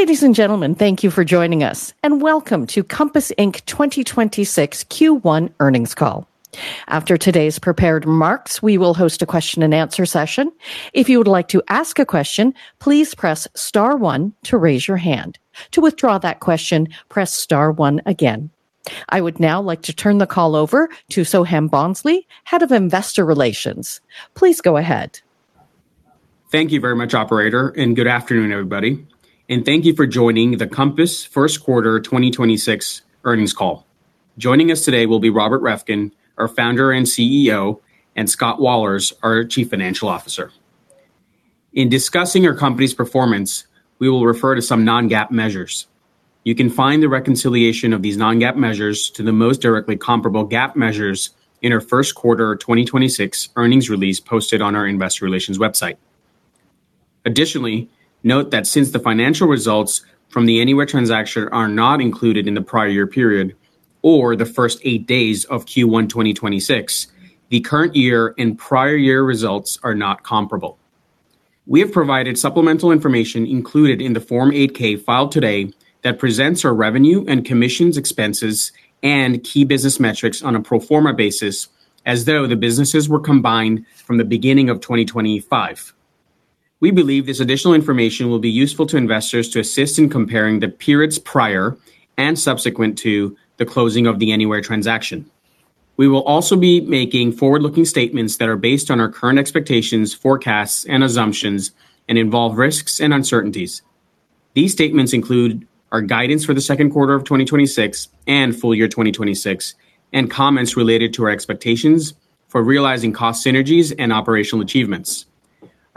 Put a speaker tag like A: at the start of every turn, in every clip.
A: Ladies and gentlemen, thank you for joining us, and welcome to Compass, Inc. 2026 Q1 earnings call. After today's prepared remarks, we will host a question and answer session. If you would like to ask a question, please press star one to raise your hand. To withdraw that question, press star one again. I would now like to turn the call over to Soham Bhonsle, Head of Investor Relations. Please go ahead.
B: Thank you very much, operator, and good afternoon, everybody, and thank you for joining the Compass first quarter 2026 earnings call. Joining us today will be Robert Reffkin, our Founder and CEO, and Scott Wahlers, our Chief Financial Officer. In discussing our company's performance, we will refer to some non-GAAP measures. You can find the reconciliation of these non-GAAP measures to the most directly comparable GAAP measures in our first quarter 2026 earnings release posted on our Investor Relations website. Additionally, note that since the financial results from the Anywhere transaction are not included in the prior year period or the first eight days of Q1 2026, the current year and prior year results are not comparable. We have provided supplemental information included in the Form 8-K filed today that presents our revenue and commissions expenses and key business metrics on a pro forma basis as though the businesses were combined from the beginning of 2025. We believe this additional information will be useful to investors to assist in comparing the periods prior and subsequent to the closing of the Anywhere transaction. We will also be making forward-looking statements that are based on our current expectations, forecasts, and assumptions and involve risks and uncertainties. These statements include our guidance for the second quarter of 2026 and full year 2026 and comments related to our expectations for realizing cost synergies and operational achievements.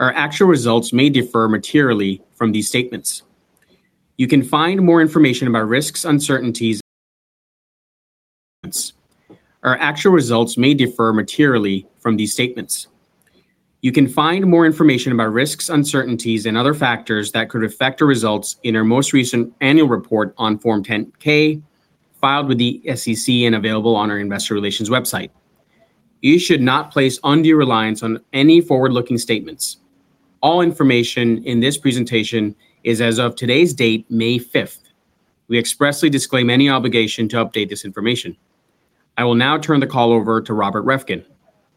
B: Our actual results may differ materially from these statements. You can find more information about risks, uncertainties, and other factors that could affect our results in our most recent annual report on Form 10-K filed with the SEC and available on our Investor Relations website. You should not place undue reliance on any forward-looking statements. All information in this presentation is as of today's date, May 5th. We expressly disclaim any obligation to update this information. I will now turn the call over to Robert Reffkin.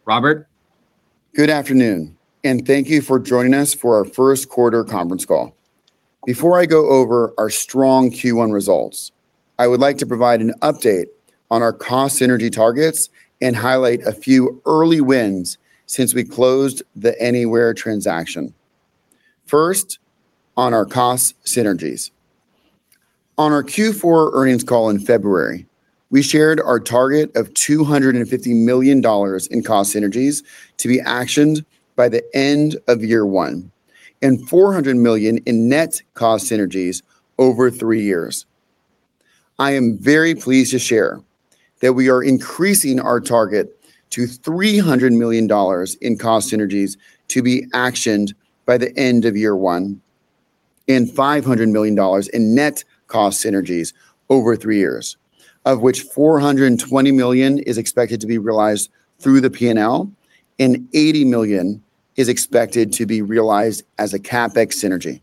B: Robert?
C: Good afternoon, and thank you for joining us for our first quarter conference call. Before I go over our strong Q1 results, I would like to provide an update on our cost synergy targets and highlight a few early wins since we closed the Anywhere transaction. First, on our cost synergies. On our Q4 earnings call in February, we shared our target of $250 million in cost synergies to be actioned by the end of year one and $400 million in net cost synergies over three years. I am very pleased to share that we are increasing our target to $300 million in cost synergies to be actioned by the end of year one and $500 million in net cost synergies over three years, of which $420 million is expected to be realized through the P&L and $80 million is expected to be realized as a CapEx synergy.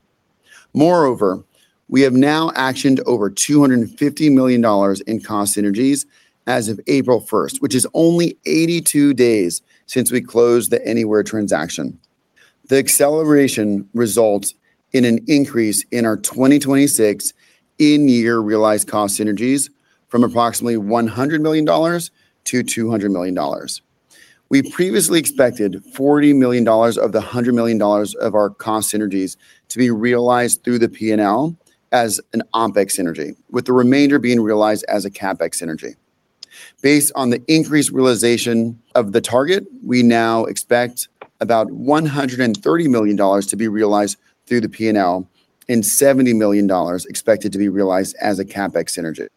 C: We have now actioned over $250 million in cost synergies as of April 1st, which is only 82 days since we closed the Anywhere transaction. The acceleration results in an increase in our 2026 in-year realized cost synergies from approximately $100 million-$200 million. We previously expected $40 million of the $100 million of our cost synergies to be realized through the P&L as an OpEx synergy, with the remainder being realized as a CapEx synergy. Based on the increased realization of the target, we now expect about $130 million to be realized through the P&L and $70 million expected to be realized as a CapEx synergy.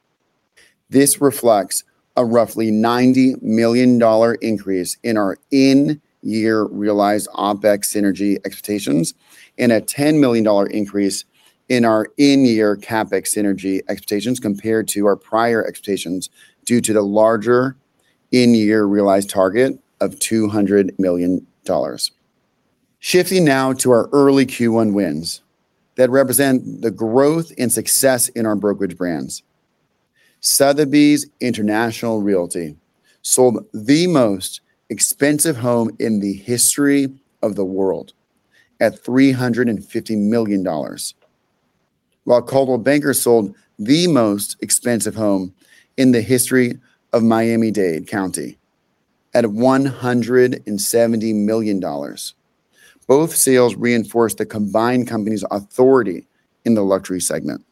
C: This reflects a roughly $90 million increase in our in-year realized OpEx synergy expectations and a $10 million increase in our in-year CapEx synergy expectations compared to our prior expectations due to the larger in-year realized target of $200 million. Shifting now to our early Q1 wins that represent the growth and success in our brokerage brands. Sotheby's International Realty sold the most expensive home in the history of the world at $350 million, while Coldwell Banker sold the most expensive home in the history of Miami-Dade County at $170 million. Both sales reinforced the combined company's authority in the luxury segment.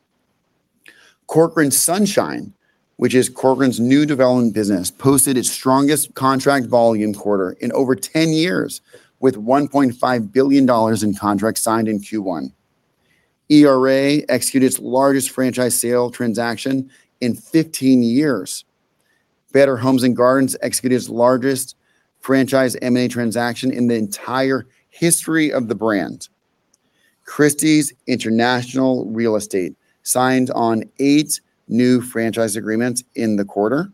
C: Corcoran Sunshine, which is Corcoran's new development business, posted its strongest contract volume quarter in over 10 years with $1.5 billion in contracts signed in Q1. ERA executed its largest franchise sale transaction in 15 years. Better Homes and Gardens executed its largest franchise M&A transaction in the entire history of the brand. Christie's International Real Estate signed on eight new franchise agreements in the quarter.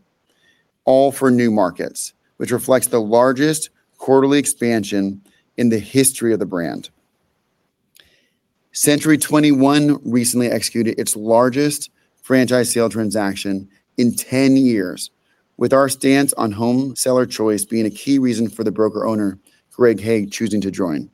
C: All for new markets, which reflects the largest quarterly expansion in the history of the brand. Century 21 recently executed its largest franchise sale transaction in 10 years, with our stance on home seller choice being a key reason for the broker owner, Greg Hague, choosing to join.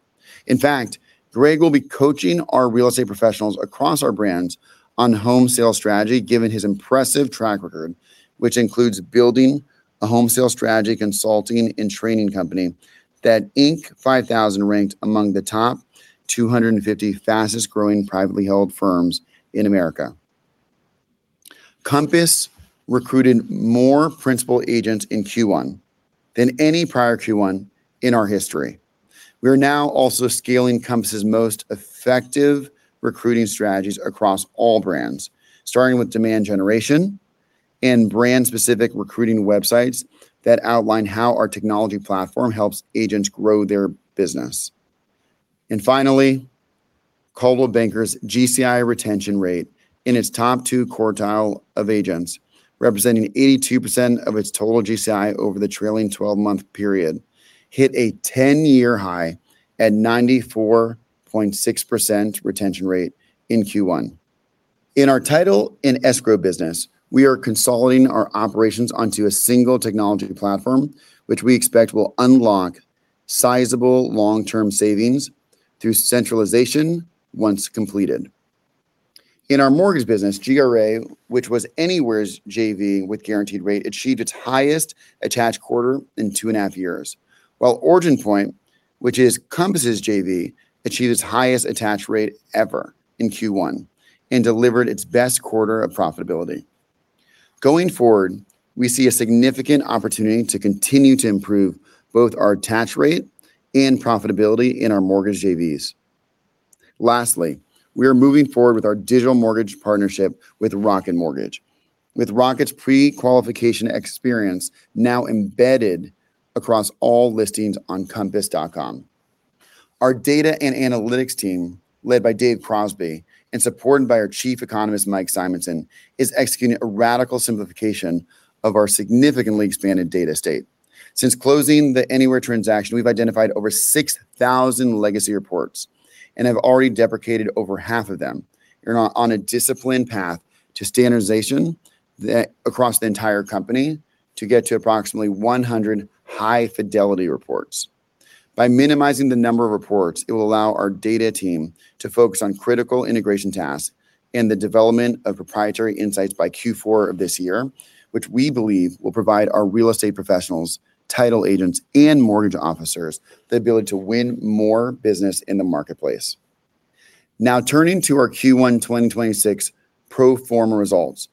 C: In fact, Greg will be coaching our real estate professionals across our brands on home sale strategy given his impressive track record, which includes building a home sale strategy consulting and training company that Inc. 5000 ranked among the top 250 fastest growing privately held firms in America. Compass recruited more principal agents in Q1 than any prior Q1 in our history. We are now also scaling Compass's most effective recruiting strategies across all brands, starting with demand generation and brand specific recruiting websites that outline how our technology platform helps agents grow their business. Finally, Coldwell Banker's GCI retention rate in its top two quartile of agents, representing 82% of its total GCI over the trailing 12-month period, hit a 10-year high at 94.6% retention rate in Q1. In our title and escrow business, we are consolidating our operations onto a single technology platform, which we expect will unlock sizable long-term savings through centralization once completed. In our mortgage business, GRA, which was Anywhere's JV with Guaranteed Rate, achieved its highest attach quarter in two and a half years, while OriginPoint, which is Compass's JV, achieved its highest attach rate ever in Q1, and delivered its best quarter of profitability. Going forward, we see a significant opportunity to continue to improve both our attach rate and profitability in our mortgage JVs. Lastly, we are moving forward with our digital mortgage partnership with Rocket Mortgage, with Rocket's pre-qualification experience now embedded across all listings on compass.com. Our data and analytics team, led by Dave Crosby and supported by our chief economist Mike Simonsen, is executing a radical simplification of our significantly expanded data state. Since closing the Anywhere transaction, we've identified over 6,000 legacy reports and have already deprecated over half of them. We're on a disciplined path to standardization across the entire company to get to approximately 100 high-fidelity reports. By minimizing the number of reports, it will allow our data team to focus on critical integration tasks, and the development of proprietary insights by Q4 of this year, which we believe will provide our real estate professionals, title agents, and mortgage officers the ability to win more business in the marketplace. Now turning to our Q1 2026 pro forma results.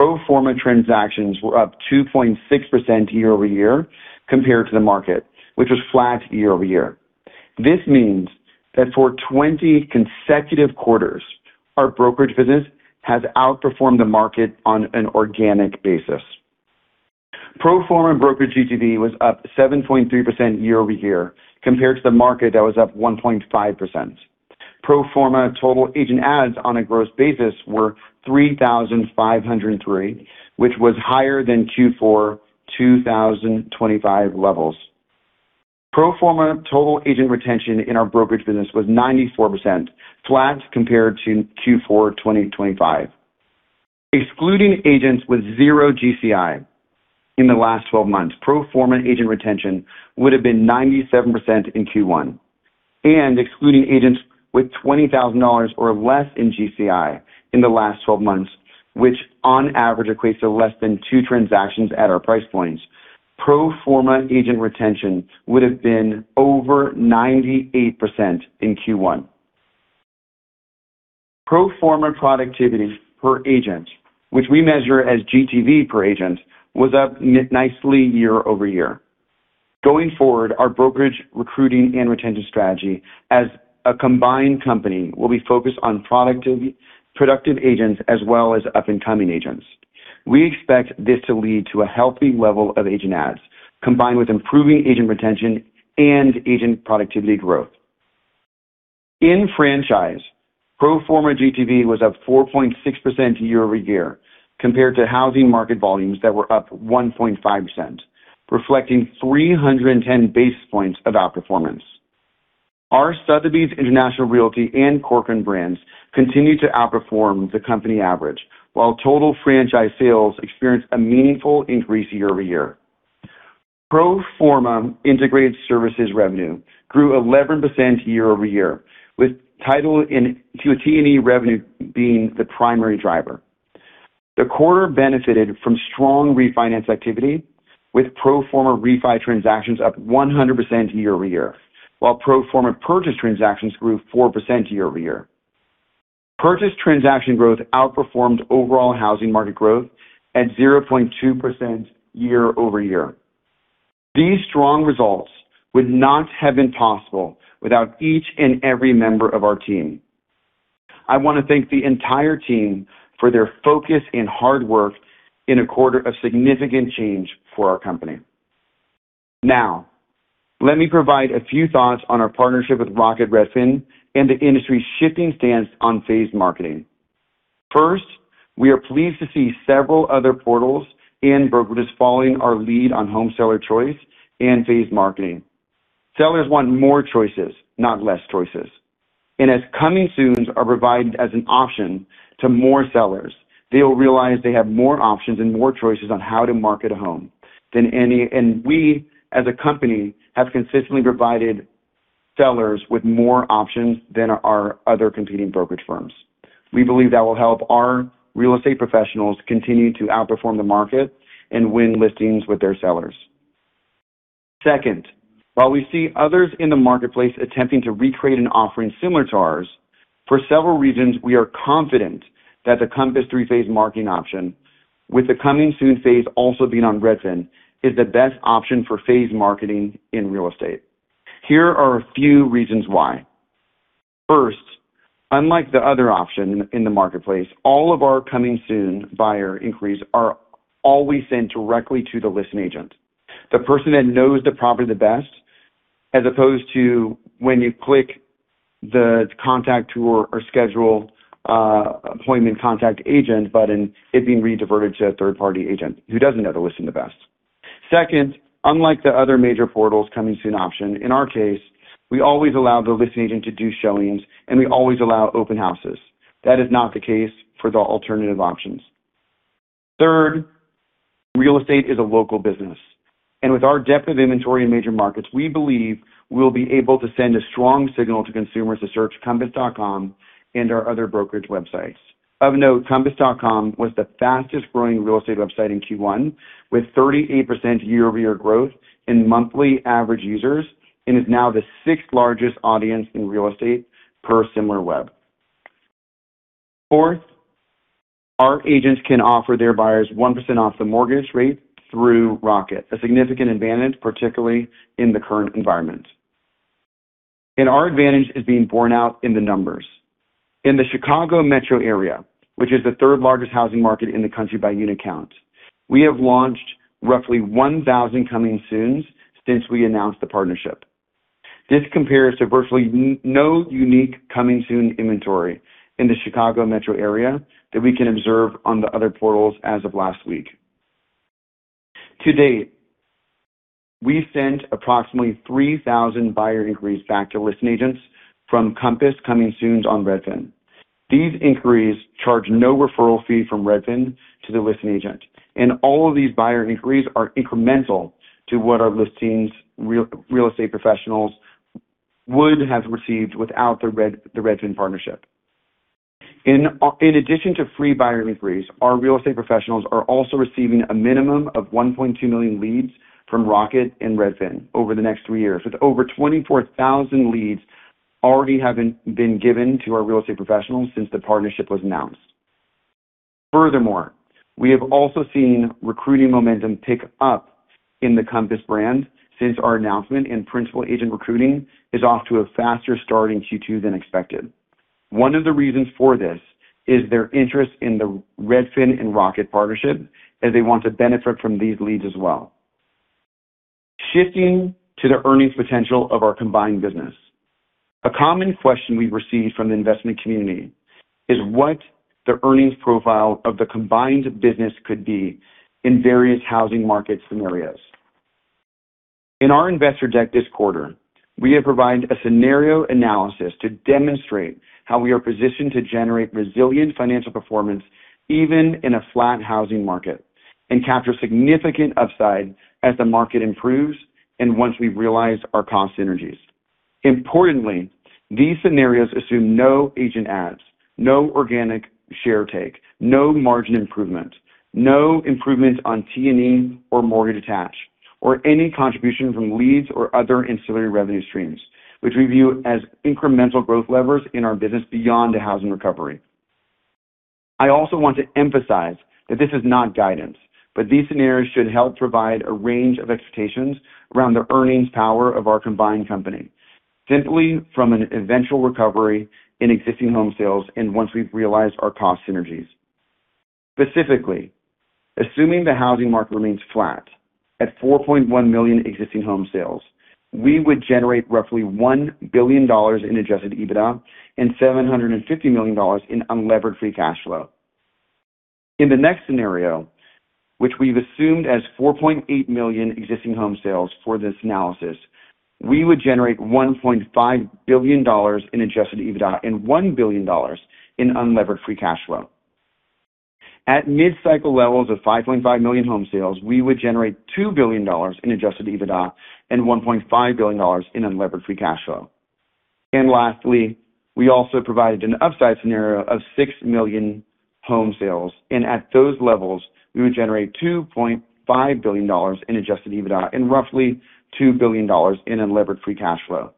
C: Pro forma transactions were up 2.6% year-over-year compared to the market, which was flat year-over-year. This means that for 20 consecutive quarters, our brokerage business has outperformed the market on an organic basis. Pro forma brokerage GTV was up 7.3% year-over-year compared to the market that was up 1.5%. Pro forma total agent adds on a gross basis were 3,503, which was higher than Q4 2025 levels. Pro forma total agent retention in our brokerage business was 94%, flat compared to Q4 2025. Excluding agents with zero GCI in the last 12 months, pro forma agent retention would have been 97% in Q1. Excluding agents with $20,000 or less in GCI in the last 12 months, which on average equates to less than two transactions at our price points, pro forma agent retention would have been over 98% in Q1. Pro forma productivity per agent, which we measure as GTV per agent, was up nicely year-over-year. Going forward, our brokerage recruiting and retention strategy as a combined company will be focused on productive agents as well as up-and-coming agents. We expect this to lead to a healthy level of agent adds, combined with improving agent retention and agent productivity growth. In franchise, pro forma GTV was up 4.6% year-over-year compared to housing market volumes that were up 1.5%, reflecting 310 basis points of outperformance. Our Sotheby's International Realty and Corcoran brands continued to outperform the company average, while total franchise sales experienced a meaningful increase year-over-year. Pro forma integrated services revenue grew 11% year-over-year, with title and T&E revenue being the primary driver. The quarter benefited from strong refinance activity, with pro forma refi transactions up 100% year-over-year, while pro forma purchase transactions grew 4% year-over-year. Purchase transaction growth outperformed overall housing market growth at 0.2% year-over-year. These strong results would not have been possible without each and every member of our team. I want to thank the entire team for their focus and hard work in a quarter of significant change for our company. Now, let me provide a few thoughts on our partnership with Rocket, Redfin, and the industry's shifting stance on phased marketing. First, we are pleased to see several other portals and brokerages following our lead on home seller choice and phased marketing. Sellers want more choices, not less choices. As Coming Soons are provided as an option to more sellers, they will realize they have more options and more choices on how to market a home. We as a company have consistently provided sellers with more options than our other competing brokerage firms. We believe that will help our real estate professionals continue to outperform the market and win listings with their sellers. Second, while we see others in the marketplace attempting to recreate an offering similar to ours, for several reasons, we are confident that the Compass 3-phase marketing option with the Coming Soon phase also being on Redfin is the best option for phased marketing in real estate. Here are a few reasons why. First, unlike the other option in the marketplace, all of our Coming Soon buyer inquiries are always sent directly to the listing agent, the person that knows the property the best, as opposed to when you click the contact tour or schedule appointment contact agent button, it being rediverted to a third-party agent who doesn't know the listing the best. Second, unlike the other major portals Coming Soon option, in our case, we always allow the listing agent to do showings, and we always allow open houses. That is not the case for the alternative options. Third, real estate is a local business, with our depth of inventory in major markets, we believe we'll be able to send a strong signal to consumers to search compass.com and our other brokerage websites. Of note, compass.com was the fastest-growing real estate website in Q1, with 38% year-over-year growth in monthly average users, and is now the sixth largest audience in real estate per Similarweb. Fourth, our agents can offer their buyers 1% off the mortgage rate through Rocket, a significant advantage, particularly in the current environment. Our advantage is being borne out in the numbers. In the Chicago metro area, which is the third largest housing market in the country by unit count, we have launched roughly 1,000 Coming Soons since we announced the partnership. This compares to virtually no unique Coming Soon inventory in the Chicago metro area that we can observe on the other portals as of last week. To date, we've sent approximately 3,000 buyer inquiries back to listing agents from Compass Coming Soon on Redfin. These inquiries charge no referral fee from Redfin to the listing agent, and all of these buyer inquiries are incremental to what our listings real estate professionals would have received without the Redfin partnership. In addition to free buyer inquiries, our real estate professionals are also receiving a minimum of 1.2 million leads from Rocket and Redfin over the next three years, with over 24,000 leads already having been given to our real estate professionals since the partnership was announced. We have also seen recruiting momentum pick up in the Compass brand since our announcement, and principal agent recruiting is off to a faster start in Q2 than expected. One of the reasons for this is their interest in the Redfin and Rocket partnership, as they want to benefit from these leads as well. Shifting to the earnings potential of our combined business. A common question we receive from the investment community is what the earnings profile of the combined business could be in various housing market scenarios. In our investor deck this quarter, we have provided a scenario analysis to demonstrate how we are positioned to generate resilient financial performance even in a flat housing market and capture significant upside as the market improves and once we realize our cost synergies. Importantly, these scenarios assume no agent adds, no organic share take, no margin improvement, no improvements on T&E or mortgage attach, or any contribution from leads or other ancillary revenue streams, which we view as incremental growth levers in our business beyond the housing recovery. I also want to emphasize that this is not guidance, but these scenarios should help provide a range of expectations around the earnings power of our combined company, simply from an eventual recovery in existing home sales and once we've realized our cost synergies. Specifically, assuming the housing market remains flat at 4.1 million existing home sales, we would generate roughly $1 billion in adjusted EBITDA and $750 million in unlevered free cash flow. In the next scenario, which we've assumed as 4.8 million existing home sales for this analysis, we would generate $1.5 billion in adjusted EBITDA and $1 billion in unlevered free cash flow. At mid-cycle levels of 5.5 million home sales, we would generate $2 billion in adjusted EBITDA and $1.5 billion in unlevered free cash flow. Lastly, we also provided an upside scenario of 6 million home sales, and at those levels, we would generate $2.5 billion in adjusted EBITDA and roughly $2 billion in unlevered free cash flow.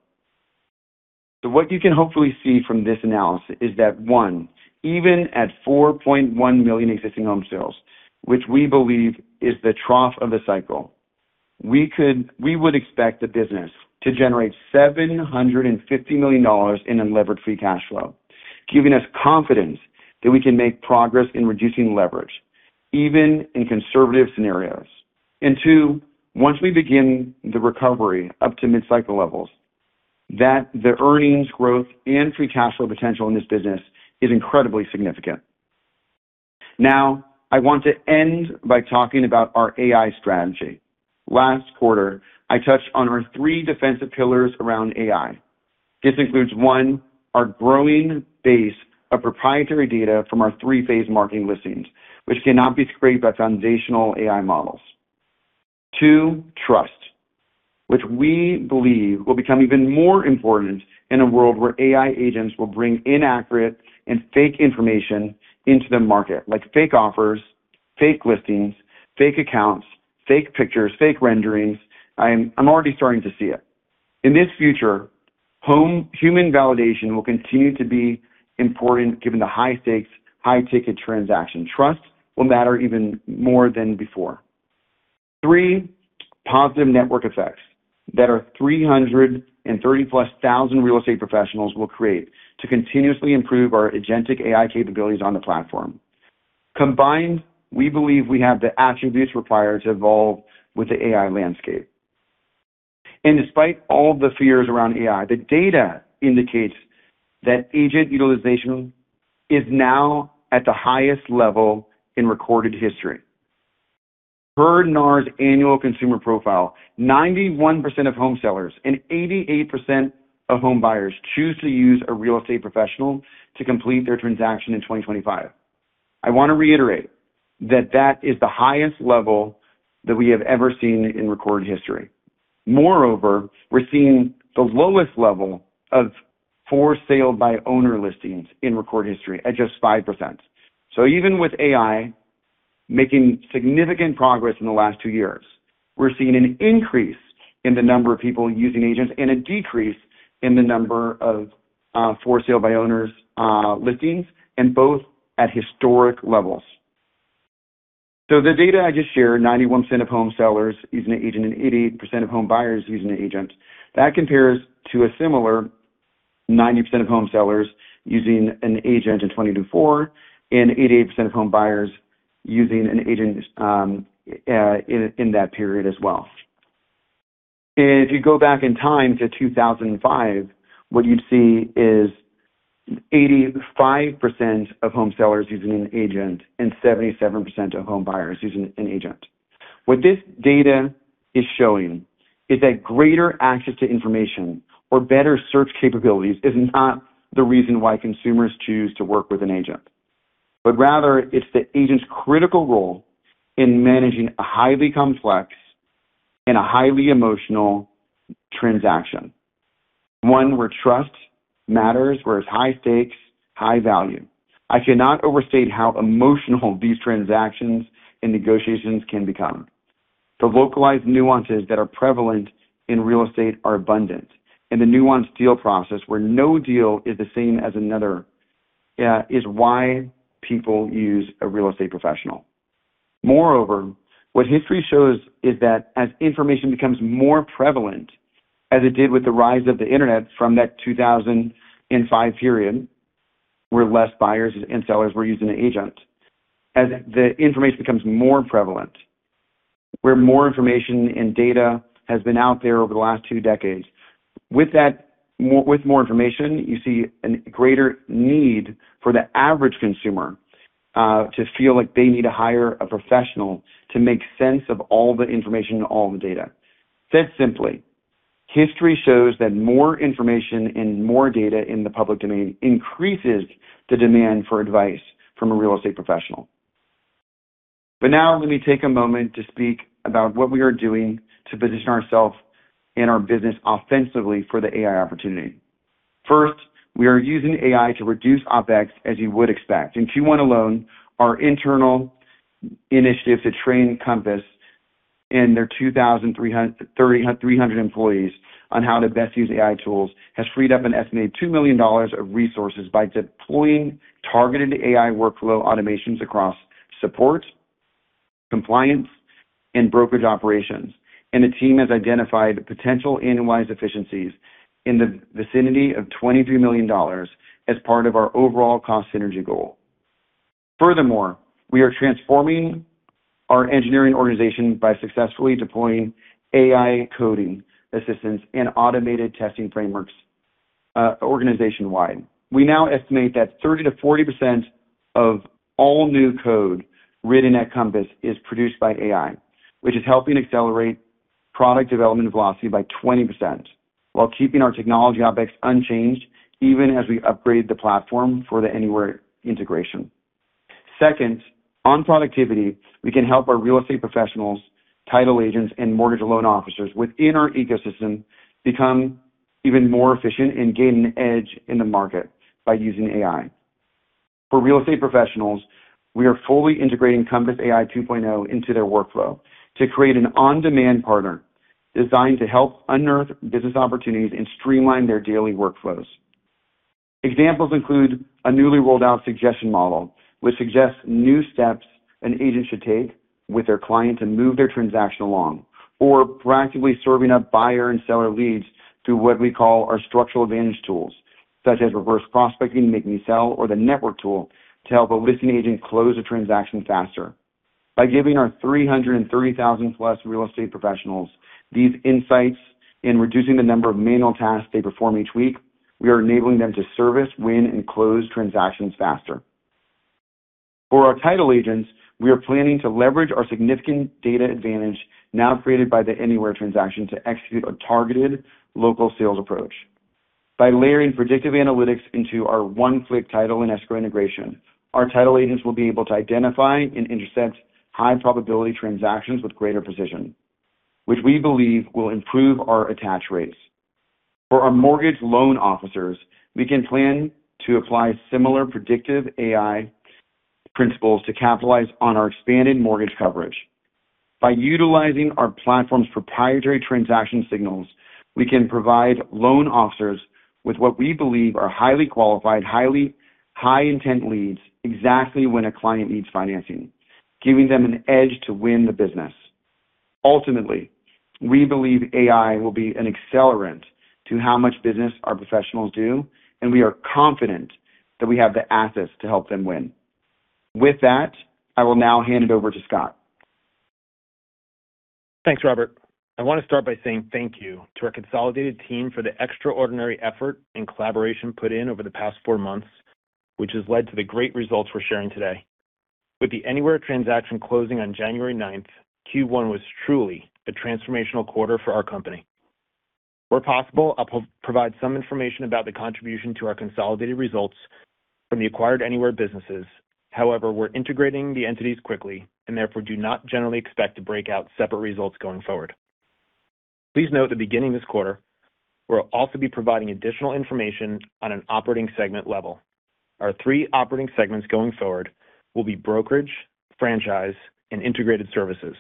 C: What you can hopefully see from this analysis is that, one, even at 4.1 million existing home sales, which we believe is the trough of the cycle, we would expect the business to generate $750 million in unlevered free cash flow, giving us confidence that we can make progress in reducing leverage even in conservative scenarios. Two, once we begin the recovery up to mid-cycle levels, that the earnings growth and free cash flow potential in this business is incredibly significant. I want to end by talking about our AI strategy. Last quarter, I touched on our three defensive pillars around AI. This includes, one, our growing base of proprietary data from our three-phase marketing listings, which cannot be scraped by foundational AI models. Two, trust, which we believe will become even more important in a world where AI agents will bring inaccurate and fake information into the market, like fake offers, fake listings, fake accounts, fake pictures, fake renderings. I'm already starting to see it. In this future, human validation will continue to be important given the high stakes, high-ticket transaction. Trust will matter even more than before. Three, positive network effects that our 330,000+ real estate professionals will create to continuously improve our agentic AI capabilities on the platform. Combined, we believe we have the attributes required to evolve with the AI landscape. Despite all the fears around AI, the data indicates that agent utilization is now at the highest level in recorded history. Per NAR's annual consumer profile, 91% of home sellers and 88% of home buyers choose to use a real estate professional to complete their transaction in 2025. I wanna reiterate that that is the highest level that we have ever seen in recorded history. Moreover, we're seeing the lowest level of for sale by owner listings in recorded history at just 5%. Even with AI making significant progress in the last two years, we're seeing an increase in the number of people using agents and a decrease in the number of for sale by owners listings, and both at historic levels. The data I just shared, 91% of home sellers using an agent and 88% of home buyers using an agent, that compares to a similar 90% of home sellers using an agent in 2024 and 88% of home buyers using an agent in that period as well. If you go back in time to 2005, what you'd see is 85% of home sellers using an agent and 77% of home buyers using an agent. What this data is showing is that greater access to information or better search capabilities is not the reason why consumers choose to work with an agent. Rather it's the agent's critical role in managing a highly complex, and a highly emotional transaction. One where trust matters, where it's high stakes, high value. I cannot overstate how emotional these transactions and negotiations can become. The localized nuances that are prevalent in real estate are abundant, and the nuanced deal process where no deal is the same as another, is why people use a real estate professional. Moreover, what history shows is that as information becomes more prevalent, as it did with the rise of the internet from that 2005 period, where less buyers and sellers were using an agent. As the information becomes more prevalent, where more information and data has been out there over the last two decades. With more information, you see a greater need for the average consumer to feel like they need to hire a professional to make sense of all the information and all the data. Said simply, history shows that more information and more data in the public domain increases the demand for advice from a real estate professional. Now let me take a moment to speak about what we are doing to position ourselves and our business offensively for the AI opportunity. First, we are using AI to reduce OpEx as you would expect. In Q1 alone, our internal initiative to train Compass and their 2,300 employees on how to best use AI tools has freed up an estimated $2 million of resources by deploying targeted AI workflow automations across support, compliance, and brokerage operations. The team has identified potential annualized efficiencies in the vicinity of $23 million as part of our overall cost synergy goal. Furthermore, we are transforming our engineering organization by successfully deploying AI coding assistance and automated testing frameworks organization-wide. We now estimate that 30%-40% of all new code written at Compass is produced by AI, which is helping accelerate product development velocity by 20% while keeping our technology OpEx unchanged even as we upgrade the platform for the Anywhere integration. Second, on productivity, we can help our real estate professionals, title agents, and mortgage loan officers within our ecosystem become even more efficient and gain an edge in the market by using AI. For real estate professionals, we are fully integrating Compass AI 2.0 into their workflow to create an on-demand partner designed to help unearth business opportunities and streamline their daily workflows. Examples include a newly rolled out suggestion model, which suggests new steps an agent should take with their client to move their transaction along, or proactively serving up buyer and seller leads through what we call our structural advantage tools, such as reverse prospecting, make me sell, or the network tool to help a listing agent close a transaction faster. By giving our 330,000+ real estate professionals these insights in reducing the number of manual tasks they perform each week, we are enabling them to service, win, and close transactions faster. For our title agents, we are planning to leverage our significant data advantage now created by the Anywhere transaction to execute a targeted local sales approach. By layering predictive analytics into our one-click title and escrow integration, our title agents will be able to identify and intercept high probability transactions with greater precision, which we believe will improve our attach rates. For our mortgage loan officers, we can plan to apply similar predictive AI principles to capitalize on our expanded mortgage coverage. By utilizing our platform's proprietary transaction signals, we can provide loan officers with what we believe are highly qualified, high intent leads exactly when a client needs financing, giving them an edge to win the business. Ultimately, we believe AI will be an accelerant to how much business our professionals do, and we are confident that we have the assets to help them win. With that, I will now hand it over to Scott.
D: Thanks, Robert. I want to start by saying thank you to our consolidated team for the extraordinary effort and collaboration put in over the past four months, which has led to the great results we're sharing today. With the Anywhere transaction closing on January 9th, Q1 was truly a transformational quarter for our company. Where possible, I'll provide some information about the contribution to our consolidated results from the acquired Anywhere businesses. However, we're integrating the entities quickly and therefore do not generally expect to break out separate results going forward. Please note that beginning this quarter, we'll also be providing additional information on an operating segment level. Our three operating segments going forward will be Brokerage, Franchise, and Integrated Services.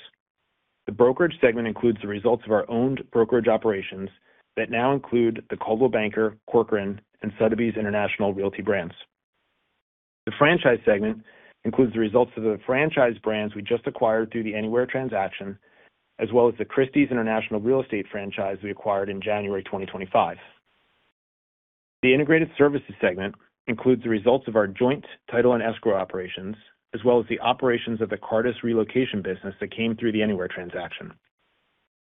D: The Brokerage segment includes the results of our owned brokerage operations that now include the Coldwell Banker, Corcoran, and Sotheby's International Realty brands. The franchise segment includes the results of the franchise brands we just acquired through the Anywhere transaction, as well as the Christie's International Real Estate franchise we acquired in January 2025. The Integrated Services segment includes the results of our joint title and escrow operations, as well as the operations of the Cartus relocation business that came through the Anywhere transaction.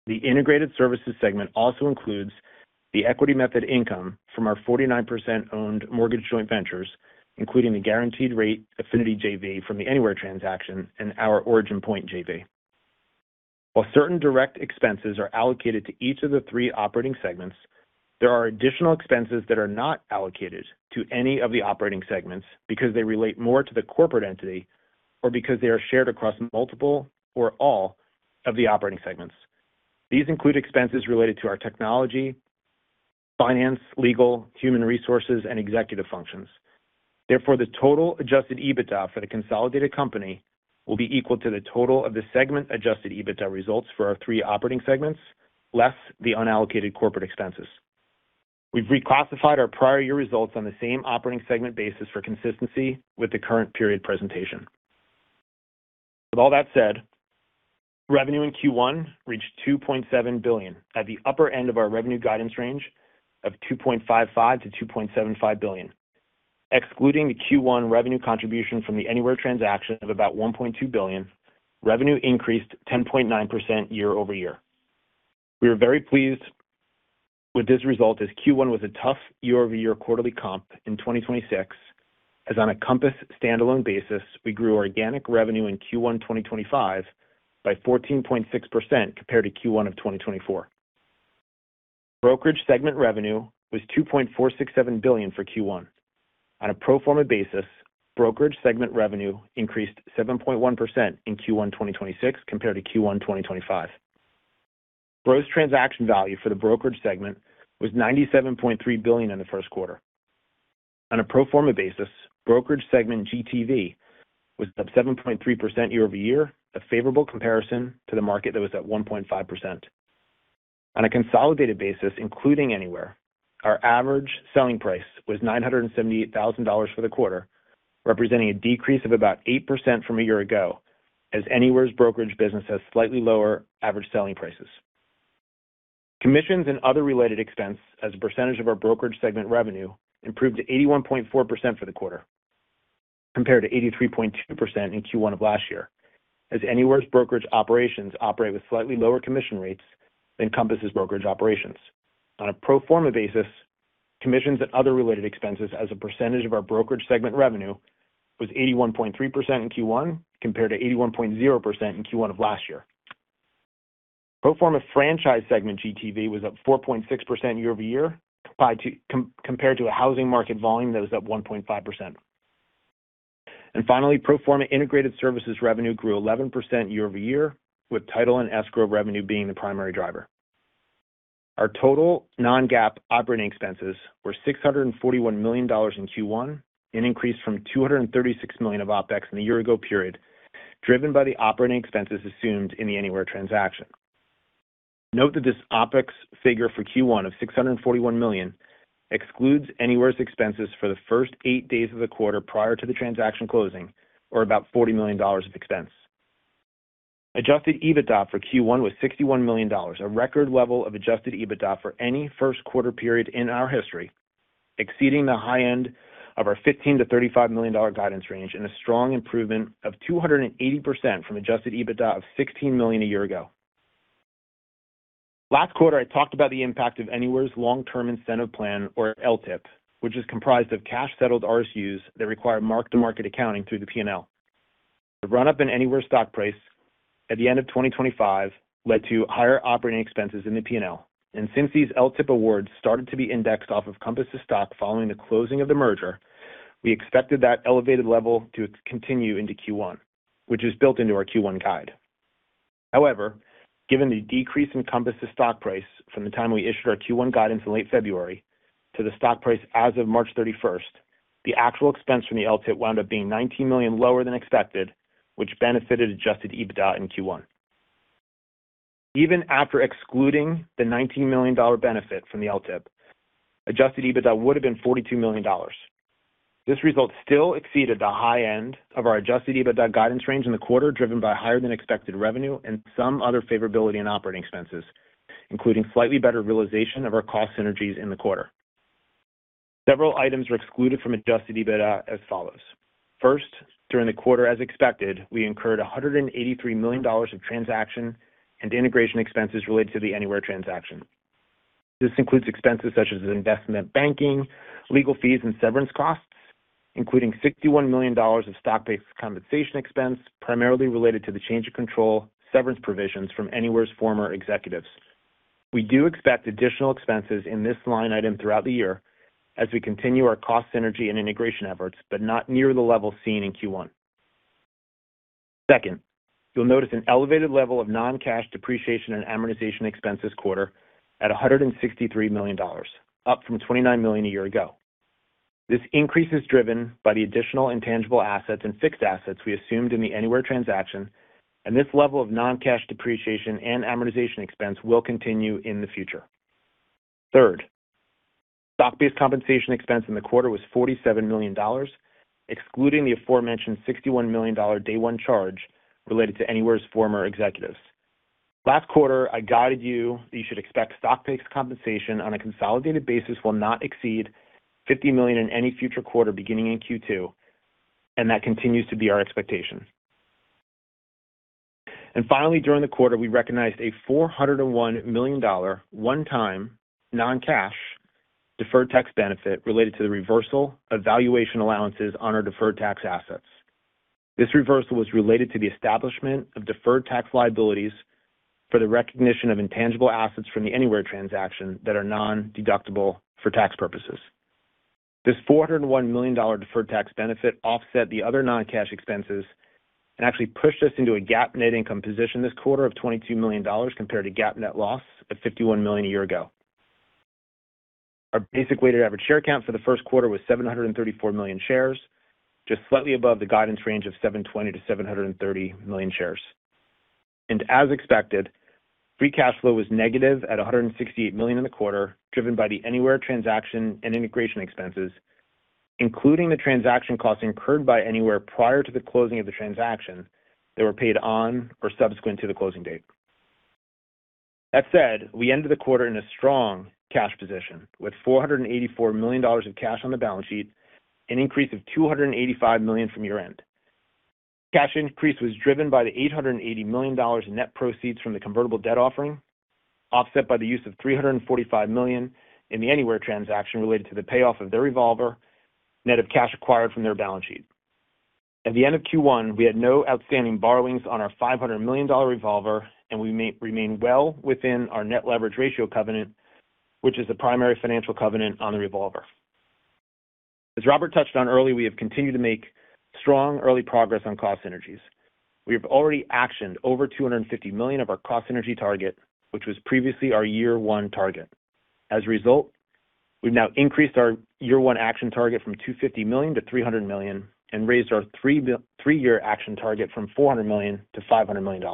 D: The Integrated Services segment also includes the equity method income from our 49% owned mortgage joint ventures, including the Guaranteed Rate Affinity JV from the Anywhere transaction and our OriginPoint JV. Certain direct expenses are allocated to each of the three operating segments, there are additional expenses that are not allocated to any of the operating segments because they relate more to the corporate entity or because they are shared across multiple or all of the operating segments. These include expenses related to our technology, finance, legal, human resources, and executive functions. The total adjusted EBITDA for the consolidated company will be equal to the total of the segment adjusted EBITDA results for our three operating segments, less the unallocated corporate expenses. We've reclassified our prior year results on the same operating segment basis for consistency with the current period presentation. Revenue in Q1 reached $2.7 billion at the upper end of our revenue guidance range of $2.55 billion-$2.75 billion. Excluding the Q1 revenue contribution from the Anywhere transaction of about $1.2 billion, revenue increased 10.9% year-over-year. We are very pleased with this result as Q1 was a tough year-over-year quarterly comp in 2026, as on a Compass standalone basis, we grew organic revenue in Q1 2025 by 14.6% compared to Q1 2024. Brokerage segment revenue was $2.467 billion for Q1. On a pro forma basis, brokerage segment revenue increased 7.1% in Q1 2026 compared to Q1 2025. Gross transaction value for the brokerage segment was $97.3 billion in the first quarter. On a pro forma basis, brokerage segment GTV was up 7.3% year-over-year, a favorable comparison to the market that was at 1.5%. On a consolidated basis, including Anywhere, our average selling price was $978,000 for the quarter, representing a decrease of about 8% from a year ago, as Anywhere's brokerage business has slightly lower average selling prices. Commissions and other related expense as a percentage of our brokerage segment revenue improved to 81.4% for the quarter, compared to 83.2% in Q1 of last year, as Anywhere's brokerage operations operate with slightly lower commission rates than Compass's brokerage operations. On a pro forma basis, commissions and other related expenses as a percentage of our brokerage segment revenue was 81.3% in Q1, compared to 81.0% in Q1 of last year. Pro forma franchise segment GTV was up 4.6% year-over-year compared to a housing market volume that was up 1.5%. Finally, pro forma integrated services revenue grew 11% year-over-year, with title and escrow revenue being the primary driver. Our total non-GAAP operating expenses were $641 million in Q1, an increase from $236 million of OpEx in the year-ago period, driven by the operating expenses assumed in the Anywhere transaction. Note that this OpEx figure for Q1 of $641 million excludes Anywhere's expenses for the first eight days of the quarter prior to the transaction closing, or about $40 million of expense. Adjusted EBITDA for Q1 was $61 million, a record level of adjusted EBITDA for any first quarter period in our history, exceeding the high end of our $15 million-$35 million guidance range and a strong improvement of 280% from adjusted EBITDA of $16 million a year ago. Last quarter, I talked about the impact of Anywhere's LTIP, which is comprised of cash-settled RSUs that require mark-to-market accounting through the P&L. The run-up in Anywhere stock price at the end of 2025 led to higher operating expenses in the P&L. Since these LTIP awards started to be indexed off of Compass's stock following the closing of the merger, we expected that elevated level to continue into Q1, which is built into our Q1 guide. Given the decrease in Compass's stock price from the time we issued our Q1 guidance in late February to the stock price as of March 31st, the actual expense from the LTIP wound up being $19 million lower than expected, which benefited adjusted EBITDA in Q1. Even after excluding the $19 million benefit from the LTIP, adjusted EBITDA would have been $42 million. This result still exceeded the high end of our adjusted EBITDA guidance range in the quarter, driven by higher-than-expected revenue and some other favorability in operating expenses, including slightly better realization of our cost synergies in the quarter. Several items were excluded from adjusted EBITDA as follows. During the quarter as expected, we incurred $183 million of transaction and integration expenses related to the Anywhere transaction. This includes expenses such as investment banking, legal fees, and severance costs, including $61 million of stock-based compensation expense, primarily related to the change of control severance provisions from Anywhere's former executives. We do expect additional expenses in this line item throughout the year as we continue our cost synergy and integration efforts, but not near the level seen in Q1. You'll notice an elevated level of non-cash depreciation and amortization expense this quarter at $163 million, up from $29 million a year ago. This increase is driven by the additional intangible assets and fixed assets we assumed in the Anywhere transaction, and this level of non-cash depreciation and amortization expense will continue in the future. Stock-based compensation expense in the quarter was $47 million, excluding the aforementioned $61 million day one charge related to Anywhere's former executives. Last quarter, I guided you that you should expect stock-based compensation on a consolidated basis will not exceed $50 million in any future quarter beginning in Q2, and that continues to be our expectation. Finally, during the quarter, we recognized a $401 million one-time non-cash deferred tax benefit related to the reversal of valuation allowances on our deferred tax assets. This reversal was related to the establishment of deferred tax liabilities for the recognition of intangible assets from the Anywhere transaction that are nondeductible for tax purposes. This $401 million deferred tax benefit offset the other non-cash expenses, and actually pushed us into a GAAP net income position this quarter of $22 million compared to GAAP net loss of $51 million a year ago. Our basic weighted average share count for the first quarter was $734 million shares, just slightly above the guidance range of $720 million-$730 million shares. As expected, free cash flow was negative at $168 million in the quarter, driven by the Anywhere transaction and integration expenses, including the transaction costs incurred by Anywhere prior to the closing of the transaction that were paid on or subsequent to the closing date. That said, we ended the quarter in a strong cash position with $484 million of cash on the balance sheet, an increase of $285 million from year-end. Cash increase was driven by the $880 million in net proceeds from the convertible debt offering, offset by the use of $345 million in the Anywhere transaction related to the payoff of their revolver, net of cash acquired from their balance sheet. At the end of Q1, we had no outstanding borrowings on our $500 million revolver, we may remain well within our net leverage ratio covenant, which is the primary financial covenant on the revolver. As Robert touched on early, we have continued to make strong early progress on cost synergies. We have already actioned over $250 million of our cost synergy target, which was previously our year one target. As a result, we've now increased our year one action target from $250 million-$300 million and raised our three-year action target from $400 million-$500 million.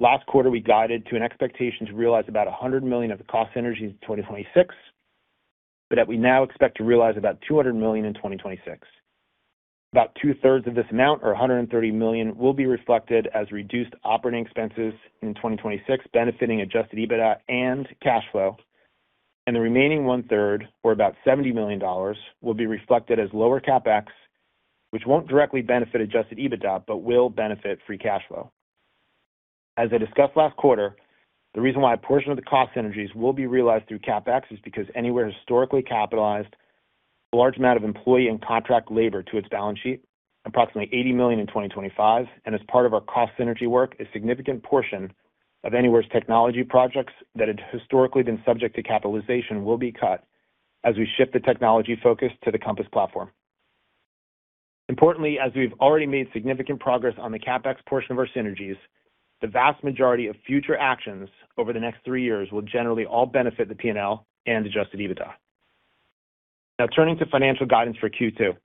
D: Last quarter, we guided to an expectation to realize about $100 million of the cost synergies in 2026, but that we now expect to realize about $200 million in 2026. About two-thirds of this amount, or $130 million, will be reflected as reduced operating expenses in 2026, benefiting adjusted EBITDA and cash flow. The remaining one-third, or about $70 million, will be reflected as lower CapEx, which won't directly benefit adjusted EBITDA but will benefit free cash flow. As I discussed last quarter, the reason why a portion of the cost synergies will be realized through CapEx is because Anywhere historically capitalized a large amount of employee and contract labor to its balance sheet, approximately $80 million in 2025. As part of our cost synergy work, a significant portion of Anywhere's technology projects that had historically been subject to capitalization will be cut as we shift the technology focus to the Compass platform. Importantly, as we've already made significant progress on the CapEx portion of our synergies, the vast majority of future actions over the next three years will generally all benefit the P&L and adjusted EBITDA. Now turning to financial guidance for Q2.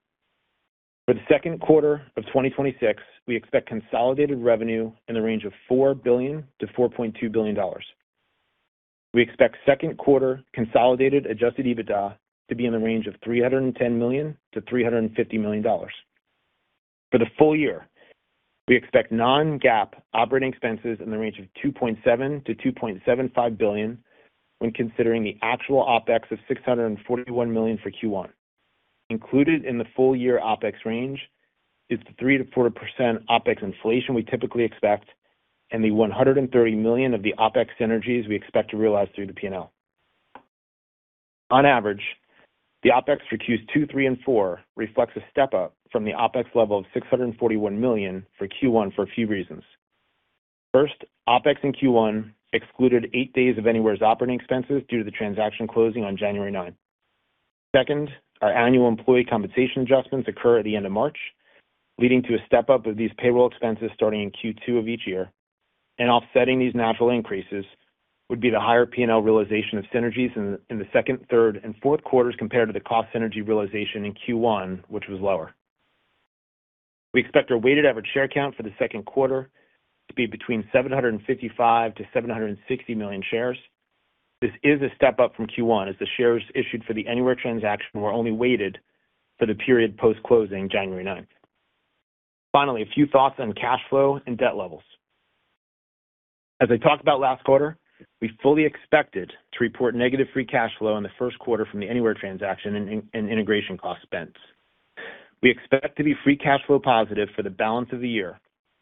D: For the second quarter of 2026, we expect consolidated revenue in the range of $4 billion-$4.2 billion. We expect second quarter consolidated adjusted EBITDA to be in the range of $310 million-$350 million. For the full year, we expect non-GAAP operating expenses in the range of $2.7 billion-$2.75 billion when considering the actual OpEx of $641 million for Q1. Included in the full-year OpEx range is the 3%-4% OpEx inflation we typically expect and the $130 million of the OpEx synergies we expect to realize through the P&L. On average, the OpEx for Qs two, three, and four reflects a step-up from the OpEx level of $641 million for Q1 for a few reasons. First, OpEx in Q1 excluded eight days of Anywhere's operating expenses due to the transaction closing on January 9th. Second, our annual employee compensation adjustments occur at the end of March, leading to a step-up of these payroll expenses starting in Q2 of each year. Offsetting these natural increases would be the higher P&L realization of synergies in the second, third, and fourth quarters compared to the cost synergy realization in Q1, which was lower. We expect our weighted average share count for the second quarter to be between $755 million-$760 million shares. This is a step-up from Q1, as the shares issued for the Anywhere transaction were only weighted for the period post-closing January 9th. Finally, a few thoughts on cash flow and debt levels. As I talked about last quarter, we fully expected to report negative free cash flow in the first quarter from the Anywhere transaction and integration cost spends. We expect to be free cash flow positive for the balance of the year.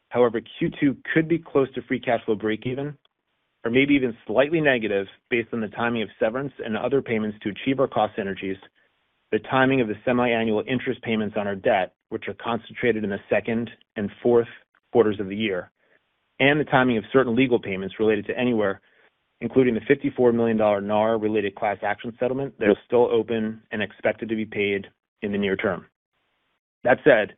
D: However, Q2 could be close to free cash flow breakeven or maybe even slightly negative based on the timing of severance and other payments to achieve our cost synergies, the timing of the semiannual interest payments on our debt, which are concentrated in the second and fourth quarters of the year, and the timing of certain legal payments related to Anywhere, including the $54 million NAR-related class action settlement that is still open and expected to be paid in the near term. That said,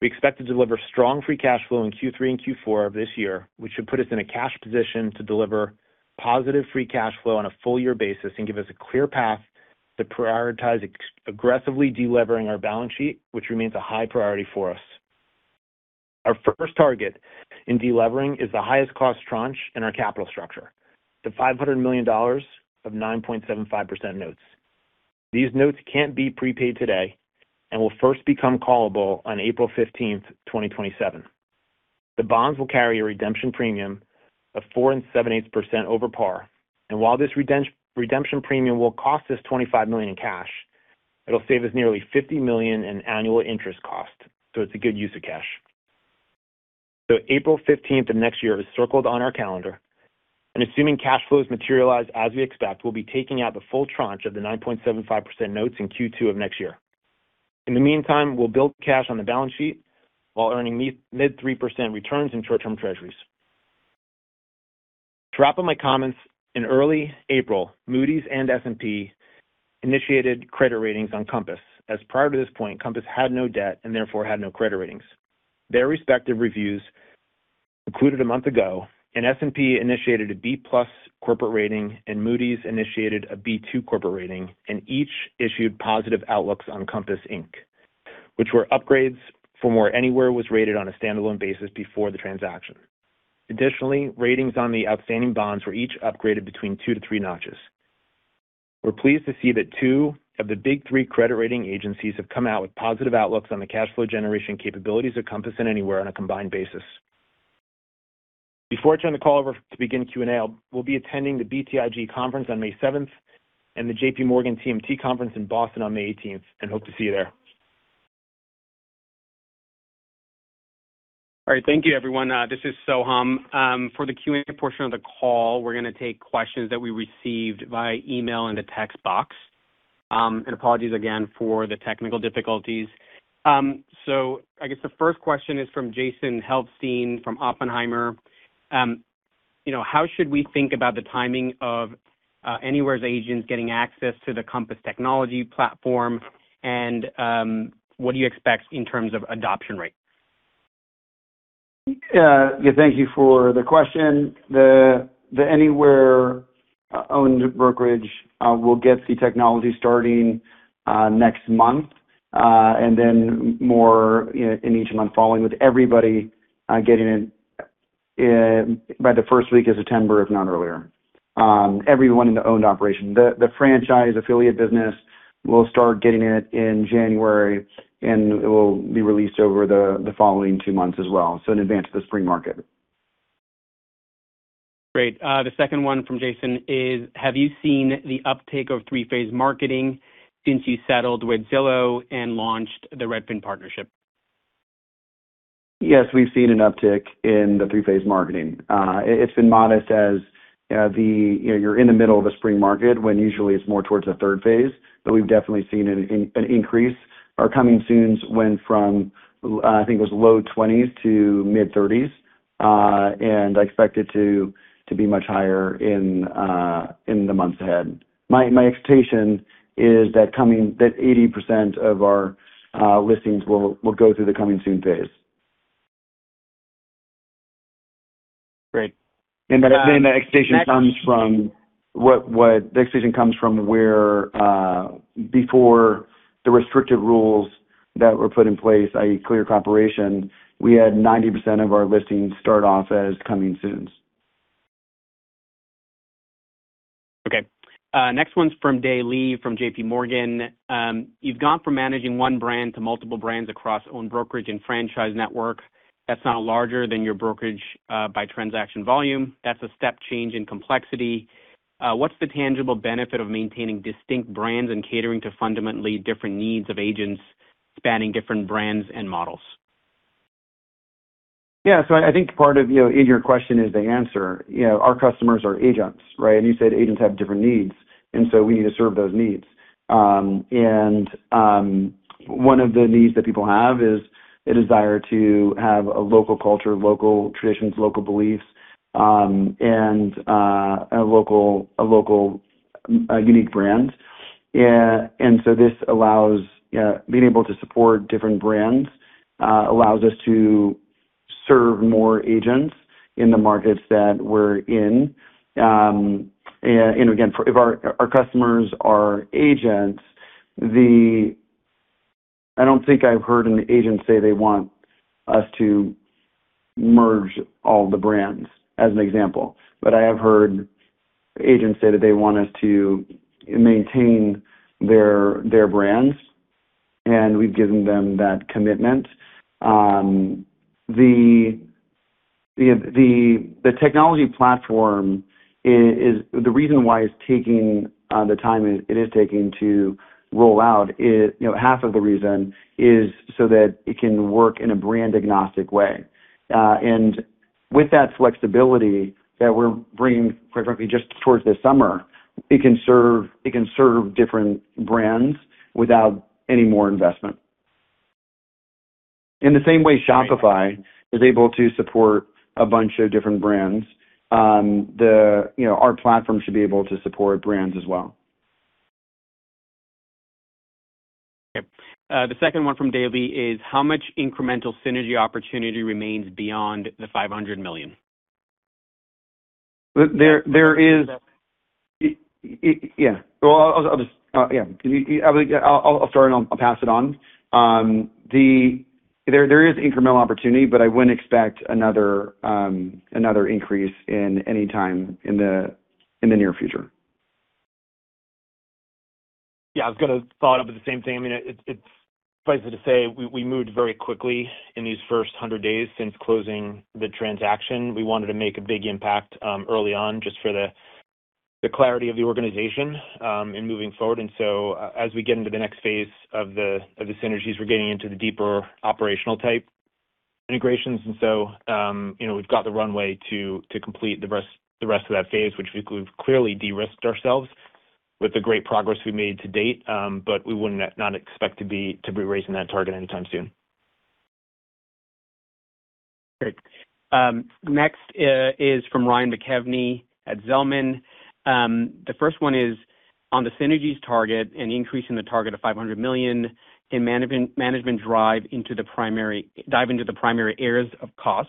D: we expect to deliver strong free cash flow in Q3 and Q4 of this year, which should put us in a cash position to deliver positive free cash flow on a full-year basis and give us a clear path to prioritize aggressively delevering our balance sheet, which remains a high priority for us. Our first target in delevering is the highest cost tranche in our capital structure, the $500 million of 9.75% notes. These notes can't be prepaid today and will first become callable on April 15th, 2027. The bonds will carry a redemption premium of 4 and 7/8% over par. While this redemption premium will cost us $25 million in cash, it'll save us nearly $50 million in annual interest cost. It's a good use of cash. April 15th of next year is circled on our calendar, and assuming cash flows materialize as we expect, we'll be taking out the full tranche of the 9.75% notes in Q2 of next year. In the meantime, we'll build cash on the balance sheet while earning mid 3% returns in short-term treasuries. To wrap up my comments, in early April, Moody's and S&P initiated credit ratings on Compass, as prior to this point, Compass had no debt and therefore had no credit ratings. Their respective reviews concluded a month ago, and S&P initiated a B+ corporate rating, and Moody's initiated a B2 corporate rating, and each issued positive outlooks on Compass Inc., which were upgrades from where Anywhere was rated on a standalone basis before the transaction. Additionally, ratings on the outstanding bonds were each upgraded between two to three notches. We're pleased to see that two of the big three credit rating agencies have come out with positive outlooks on the cash flow generation capabilities of Compass and Anywhere on a combined basis. Before I turn the call over to begin Q&A, we'll be attending the BTIG conference on May 7th and the JPMorgan TMT conference in Boston on May 18th, and hope to see you there.
B: All right. Thank you, everyone. This is Soham. For the Q&A portion of the call, we're gonna take questions that we received via email in the text box. Apologies again for the technical difficulties. I guess the first question is from Jason Helfstein from Oppenheimer. You know, how should we think about the timing of Anywhere's agents getting access to the Compass' technology platform and what do you expect in terms of adoption rate?
C: Yeah, thank you for the question. The Anywhere owned brokerage will get the technology starting next month, and then more in each month following, with everybody getting it by the 1st week of September, if not earlier, everyone in the owned operation. The franchise affiliate business will start getting it in January, and it will be released over the following two months as well, so in advance of the spring market.
B: Great. The second one from Jason is, have you seen the uptake of Three-Phased Marketing since you settled with Zillow and launched the Redfin partnership?
C: Yes, we've seen an uptick in the Three-Phased Marketing. It's been modest as, you know, you're in the middle of a spring market when usually it's more towards the third phase, but we've definitely seen an increase. Our Coming Soons went from, I think it was low 20s to mid-30s, and I expect it to be much higher in the months ahead. My expectation is that 80% of our listings will go through the Coming Soon phase.
B: Great.
C: The expectation comes from where, before the restrictive rules that were put in place, i.e. Clear Cooperation, we had 90% of our listings start off as Coming Soons.
B: Okay. Next one's from Dae Lee from JPMorgan. You've gone from managing one brand to multiple brands across owned brokerage and franchise network. That's now larger than your brokerage by transaction volume. That's a step change in complexity. What's the tangible benefit of maintaining distinct brands and catering to fundamentally different needs of agents spanning different brands and models?
C: I think part of, you know, in your question is the answer. You know, our customers are agents, right? You said agents have different needs, we need to serve those needs. One of the needs that people have is a desire to have a local culture, local traditions, local beliefs, and a local unique brand. This allows being able to support different brands allows us to serve more agents in the markets that we're in. If our customers are agents, I don't think I've heard an agent say they want us to merge all the brands, as an example, but I have heard agents say that they want us to maintain their brands, and we've given them that commitment. The technology platform is the reason why it's taking the time it is taking to roll out is, you know, half of the reason is so that it can work in a brand agnostic way. With that flexibility that we're bringing, quite frankly, just towards this summer, it can serve different brands without any more investment. In the same way Shopify is able to support a bunch of different brands, you know, our platform should be able to support brands as well.
B: Okay. The second one from Dae Lee is, how much incremental synergy opportunity remains beyond the $500 million?
C: There is. Well, yeah. I'll start, and I'll pass it on. There is incremental opportunity, but I wouldn't expect another increase in any time in the near future.
D: Yeah, I was gonna follow up with the same thing. I mean, it's suffice it to say, we moved very quickly in these first 100 days since closing the transaction. We wanted to make a big impact early on just for the clarity of the organization in moving forward. As we get into the next phase of the synergies, we're getting into the deeper operational type integrations. You know, we've got the runway to complete the rest of that phase, which we've clearly de-risked ourselves with the great progress we've made to date. We wouldn't not expect to be raising that target anytime soon.
B: Great. Next is from Ryan McKeveny at Zelman. The first one is on the synergies target and increasing the target of $500 million in management dive into the primary areas of cost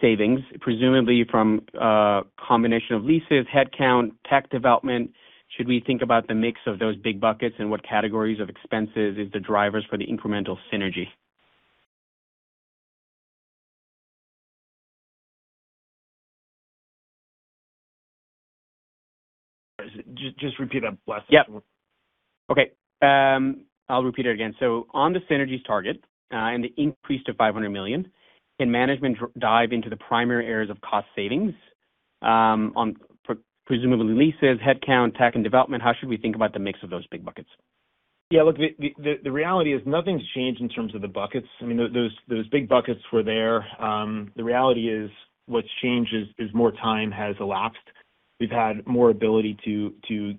B: savings, presumably from a combination of leases, headcount, tech development. Should we think about the mix of those big buckets and what categories of expenses is the drivers for the incremental synergy?
D: Just repeat that last section.
B: Yeah. Okay. I'll repeat it again. On the synergies target, and the increase to $500 million, can management dive into the primary areas of cost savings, presumably leases, headcount, tech, and development. How should we think about the mix of those big buckets?
D: Look, the reality is nothing's changed in terms of the buckets. I mean, those big buckets were there. The reality is what's changed is more time has elapsed. We've had more ability to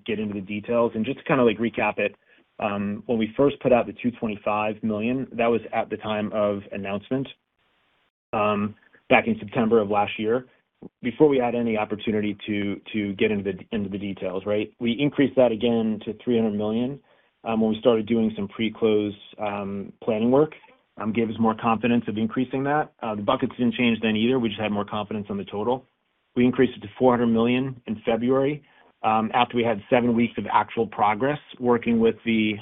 D: get into the details. Just to kinda like recap it, when we first put out the $225 million, that was at the time of announcement, back in September of last year, before we had any opportunity to get into the details, right? We increased that again to $300 million when we started doing some pre-close planning work, gave us more confidence of increasing that. The buckets didn't change then either. We just had more confidence on the total. We increased it to $400 million in February, after we had seven weeks of actual progress working with the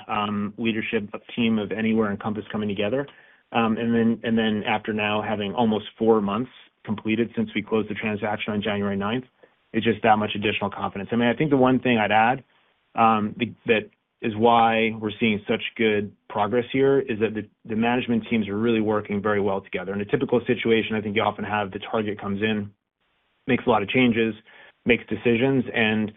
D: leadership team of Anywhere and Compass coming together. After now having almost four months completed since we closed the transaction on January 9th, it's just that much additional confidence. I mean, I think the one thing I'd add that is why we're seeing such good progress here is that the management teams are really working very well together. In a typical situation, I think you often have the target comes in, makes a lot of changes, makes decisions, and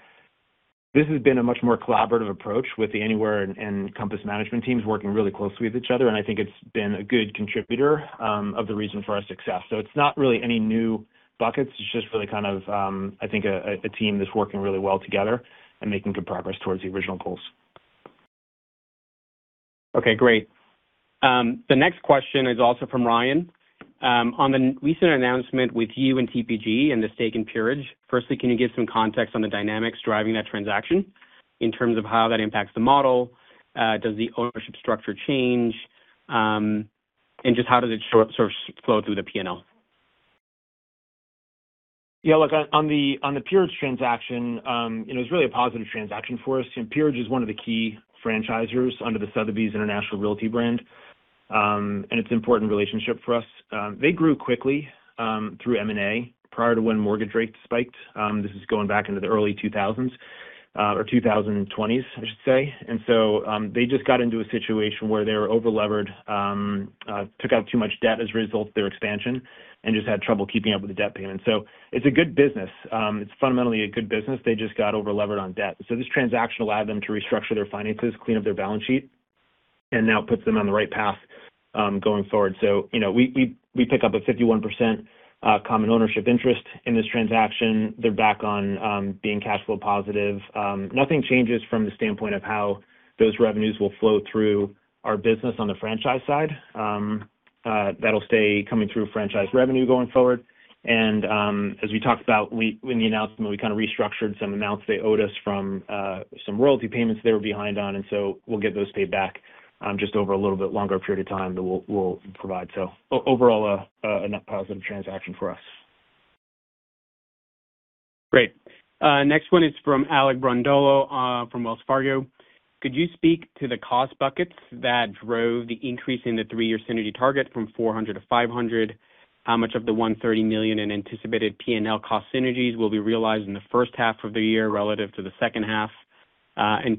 D: this has been a much more collaborative approach with the Anywhere and Compass management teams working really closely with each other, and I think it's been a good contributor of the reason for our success. It's not really any new buckets. It's just really kind of, I think a team that's working really well together and making good progress towards the original goals.
B: Okay, great. The next question is also from Ryan. On the recent announcement with you and TPG and the stake in Peerage, firstly, can you give some context on the dynamics driving that transaction in terms of how that impacts the model? Does the ownership structure change? Just how does it sort of flow through the P&L?
D: Yeah, look, on the Peerage transaction, you know, it's really a positive transaction for us. Peerage is one of the key franchisers under the Sotheby's International Realty brand, and it's an important relationship for us. They grew quickly, through M&A prior to when mortgage rates spiked. This is going back into the early 2000s, or 2020s, I should say. They just got into a situation where they were over-levered, took out too much debt as a result of their expansion, and just had trouble keeping up with the debt payments. It's a good business. It's fundamentally a good business. They just got over-levered on debt. This transaction allowed them to restructure their finances, clean up their balance sheet, and now puts them on the right path, going forward. You know, we pick up a 51% common ownership interest in this transaction. They're back on being cash flow positive. Nothing changes from the standpoint of how those revenues will flow through our business on the franchise side. That'll stay coming through franchise revenue going forward. As we talked about in the announcement, we kinda restructured some amounts they owed us from some royalty payments they were behind on. We'll get those paid back just over a little bit longer period of time that we'll provide. Overall, a net positive transaction for us.
B: Great. Next one is from Alec Brondolo, from Wells Fargo. Could you speak to the cost buckets that drove the increase in the three-year synergy target from $400 to $500? How much of the $130 million in anticipated P&L cost synergies will be realized in the first half of the year relative to the second half?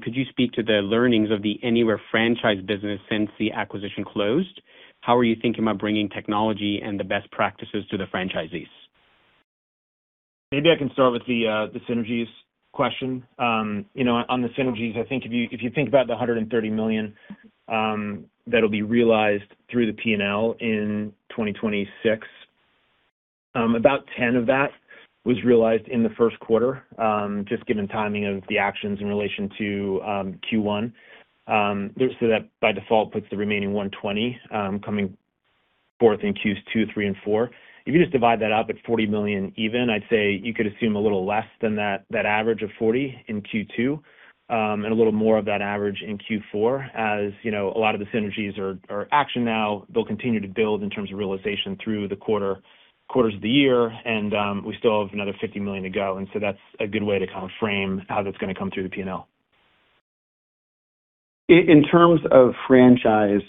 B: Could you speak to the learnings of the Anywhere franchise business since the acquisition closed? How are you thinking about bringing technology and the best practices to the franchisees?
D: Maybe I can start with the synergies question. You know, on the synergies, I think if you think about the $130 million that'll be realized through the P&L in 2026, about 10 of that was realized in the first quarter, just given timing of the actions in relation to Q1. That by default puts the remaining 120 coming forth in Qs two, three, and four. If you just divide that up at $40 million even, I'd say you could assume a little less than that average of 40 in Q2, and a little more of that average in Q4. As you know, a lot of the synergies are action now. They'll continue to build in terms of realization through the quarter, quarters of the year, and we still have another $50 million to go. That's a good way to kind of frame how that's gonna come through the P&L.
C: In terms of franchise,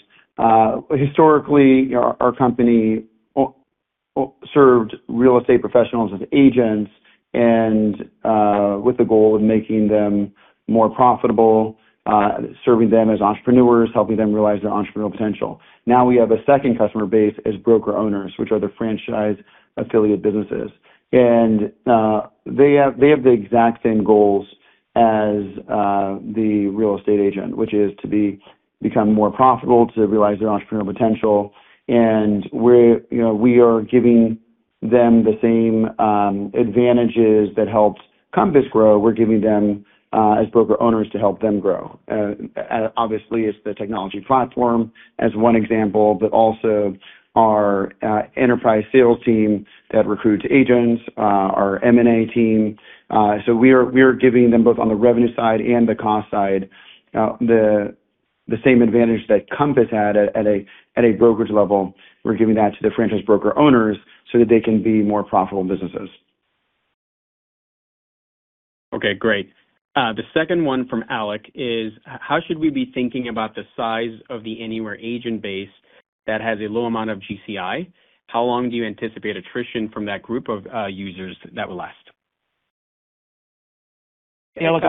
C: historically, our company served real estate professionals as agents and with the goal of making them more profitable, serving them as entrepreneurs, helping them realize their entrepreneurial potential. Now, we have a second customer base as broker-owners, which are the franchise affiliate businesses. They have the exact same goals as the real estate agent, which is to become more profitable, to realize their entrepreneurial potential. You know, we are giving them the same advantages that helped Compass grow, we're giving them as broker-owners to help them grow. Obviously, it's the technology platform as one example, but also our enterprise sales team that recruits agents, our M&A team. We are giving them both on the revenue side and the cost side, the same advantage that Compass had at a brokerage level. We are giving that to the franchise broker-owners so that they can be more profitable businesses.
B: Okay, great. The second one from Alec is, how should we be thinking about the size of the Anywhere agent base that has a low amount of GCI? How long do you anticipate attrition from that group of users that will last?
D: Yeah, look,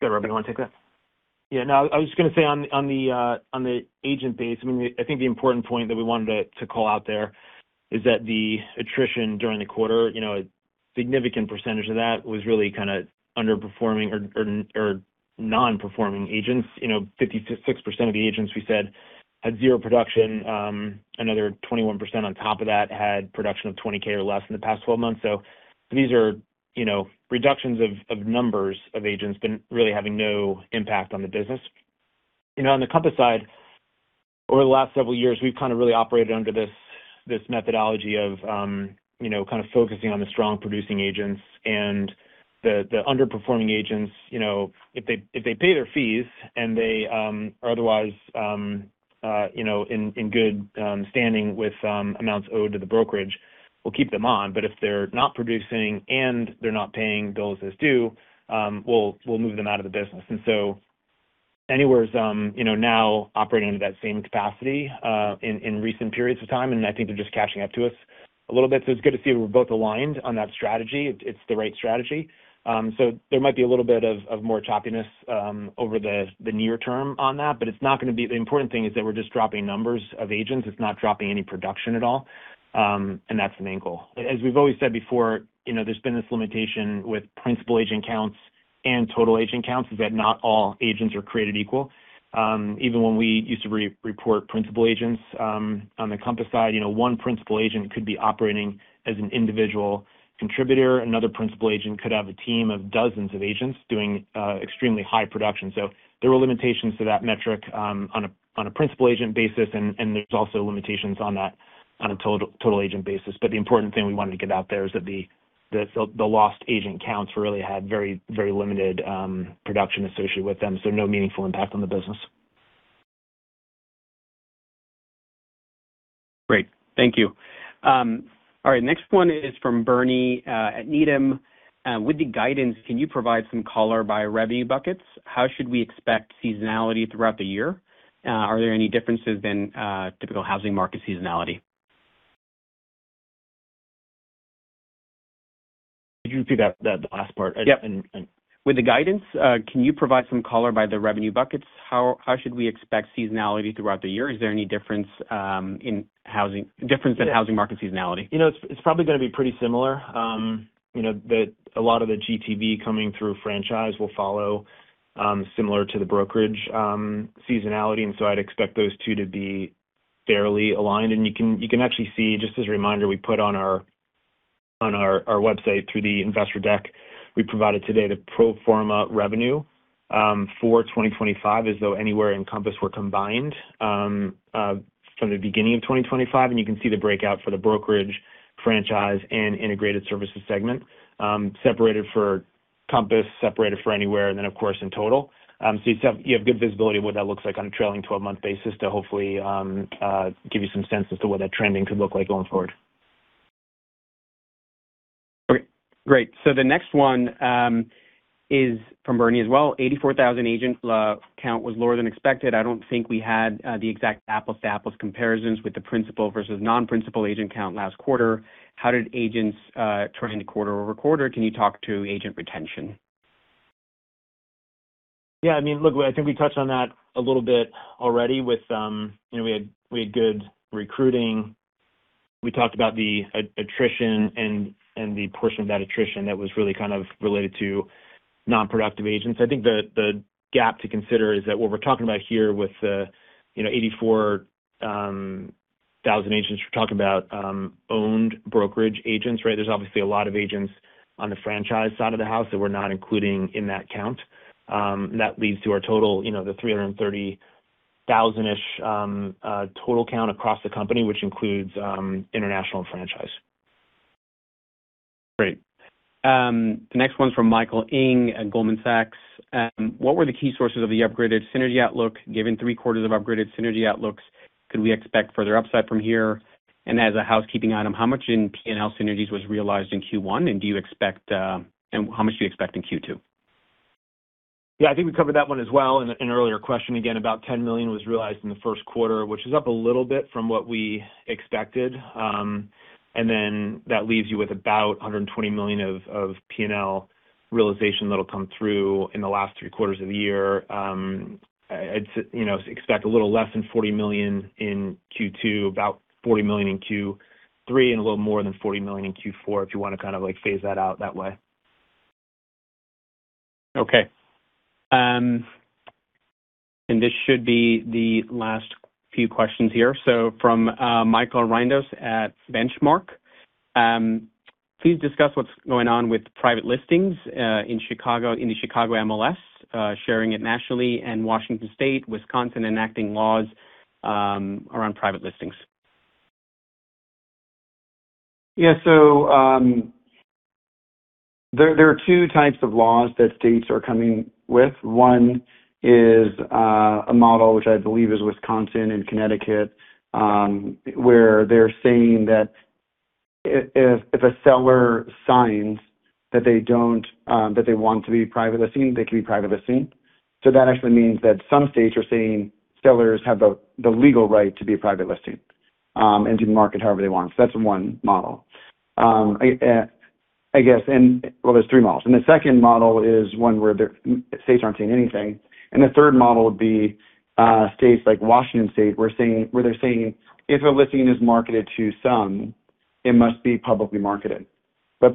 D: Go, Robbie, you wanna take that? Yeah, no, I was just going to say on the agent base, I mean, I think the important point that we wanted to call out there is that the attrition during the quarter, you know, a significant percentage of that was really kind of underperforming or non-performing agents. You know, 50% to 6% of the agents we said had zero production. Another 21% on top of that had production of $20K or less in the past 12 months. These are, you know, reductions of numbers of agents, but really having no impact on the business. You know, on the Compass side, over the last several years, we've kind of really operated under this methodology of, you know, kind of focusing on the strong producing agents and the underperforming agents, you know, if they pay their fees and they are otherwise, you know, in good standing with amounts owed to the brokerage, we'll keep them on. If they're not producing and they're not paying bills as due, we'll move them out of the business. Anywhere's, you know, now operating under that same capacity, in recent periods of time, and I think they're just catching up to us a little bit. It's good to see that we're both aligned on that strategy. It's the right strategy. There might be a little bit of more choppiness over the near term on that, but the important thing is that we're just dropping numbers of agents. It's not dropping any production at all, and that's an angle. As we've always said before, you know, there's been this limitation with principal agent counts and total agent counts, is that not all agents are created equal. Even when we used to re-report principal agents on the Compass side, you know, one principal agent could be operating as an individual contributor. Another principal agent could have a team of dozens of agents doing extremely high production. There were limitations to that metric on a principal agent basis, and there's also limitations on a total agent basis. The important thing we wanted to get out there is that the lost agent counts really had very limited production associated with them, so no meaningful impact on the business.
B: Great. Thank you. All right, next one is from Bernie at Needham. With the guidance, can you provide some color by revenue buckets? How should we expect seasonality throughout the year? Are there any differences than typical housing market seasonality?
D: Could you repeat that, the last part?
B: Yep.
D: And, and-
B: With the guidance, can you provide some color by the revenue buckets? How should we expect seasonality throughout the year? Is there any difference in housing market seasonality?
D: You know, it's probably gonna be pretty similar. You know, a lot of the GTV coming through franchise will follow similar to the brokerage seasonality. I'd expect those two to be fairly aligned. You can actually see, just as a reminder, we put on our website through the investor deck we provided today the pro forma revenue for 2025 as though Anywhere and Compass were combined from the beginning of 2025. You can see the breakout for the brokerage, franchise, and integrated services segment separated for Compass, separated for Anywhere, and then, of course, in total. You have good visibility of what that looks like on a trailing 12-month basis to hopefully, give you some sense as to what that trending could look like going forward.
B: Okay, great. The next one is from Bernie as well. 84,000 agent count was lower than expected. I don't think we had the exact apples-to-apples comparisons with the principal versus non-principal agent count last quarter. How did agents trend quarter-over-quarter? Can you talk to agent retention?
D: I mean, look, I think we touched on that a little bit already with, you know, we had good recruiting. We talked about the attrition and the portion of that attrition that was really kind of related to non-productive agents. I think the gap to consider is that what we're talking about here with the, you know, 84,000 agents, we're talking about owned brokerage agents, right? There's obviously a lot of agents on the franchise side of the house that we're not including in that count. That leads to our total, you know, the 330,000-ish total count across the company, which includes international franchise.
B: Great. The next one's from Michael Ng at Goldman Sachs. What were the key sources of the upgraded synergy outlook, given three-quarters of upgraded synergy outlooks? Could we expect further upside from here? As a housekeeping item, how much in P&L synergies was realized in Q1, and how much do you expect in Q2?
D: Yeah, I think we covered that one as well in earlier question. Again, about $10 million was realized in the first quarter, which is up a little bit from what we expected. That leaves you with about $120 million of P&L realization that'll come through in the last three quarters of the year. It's, you know, expect a little less than $40 million in Q2, about $40 million in Q3, and a little more than $40 million in Q4, if you wanna kind of like phase that out that way.
B: Okay. This should be the last few questions here. From Michael Rindos at Benchmark. Please discuss what's going on with private listings in Chicago, in the Chicago MLS, sharing it nationally, and Washington State, Wisconsin enacting laws around private listings.
C: There are two types of laws that states are coming with. One is a model which I believe is Wisconsin and Connecticut, where they're saying that if a seller signs that they don't, that they want to be private listing, they can be private listing. That actually means that some states are saying sellers have the legal right to be a private listing, and to market however they want. That's one model. I guess, and well, there's three models. The second model is one where the states aren't saying anything, and the third model would be states like Washington State, where they're saying if a listing is marketed to some, it must be publicly marketed.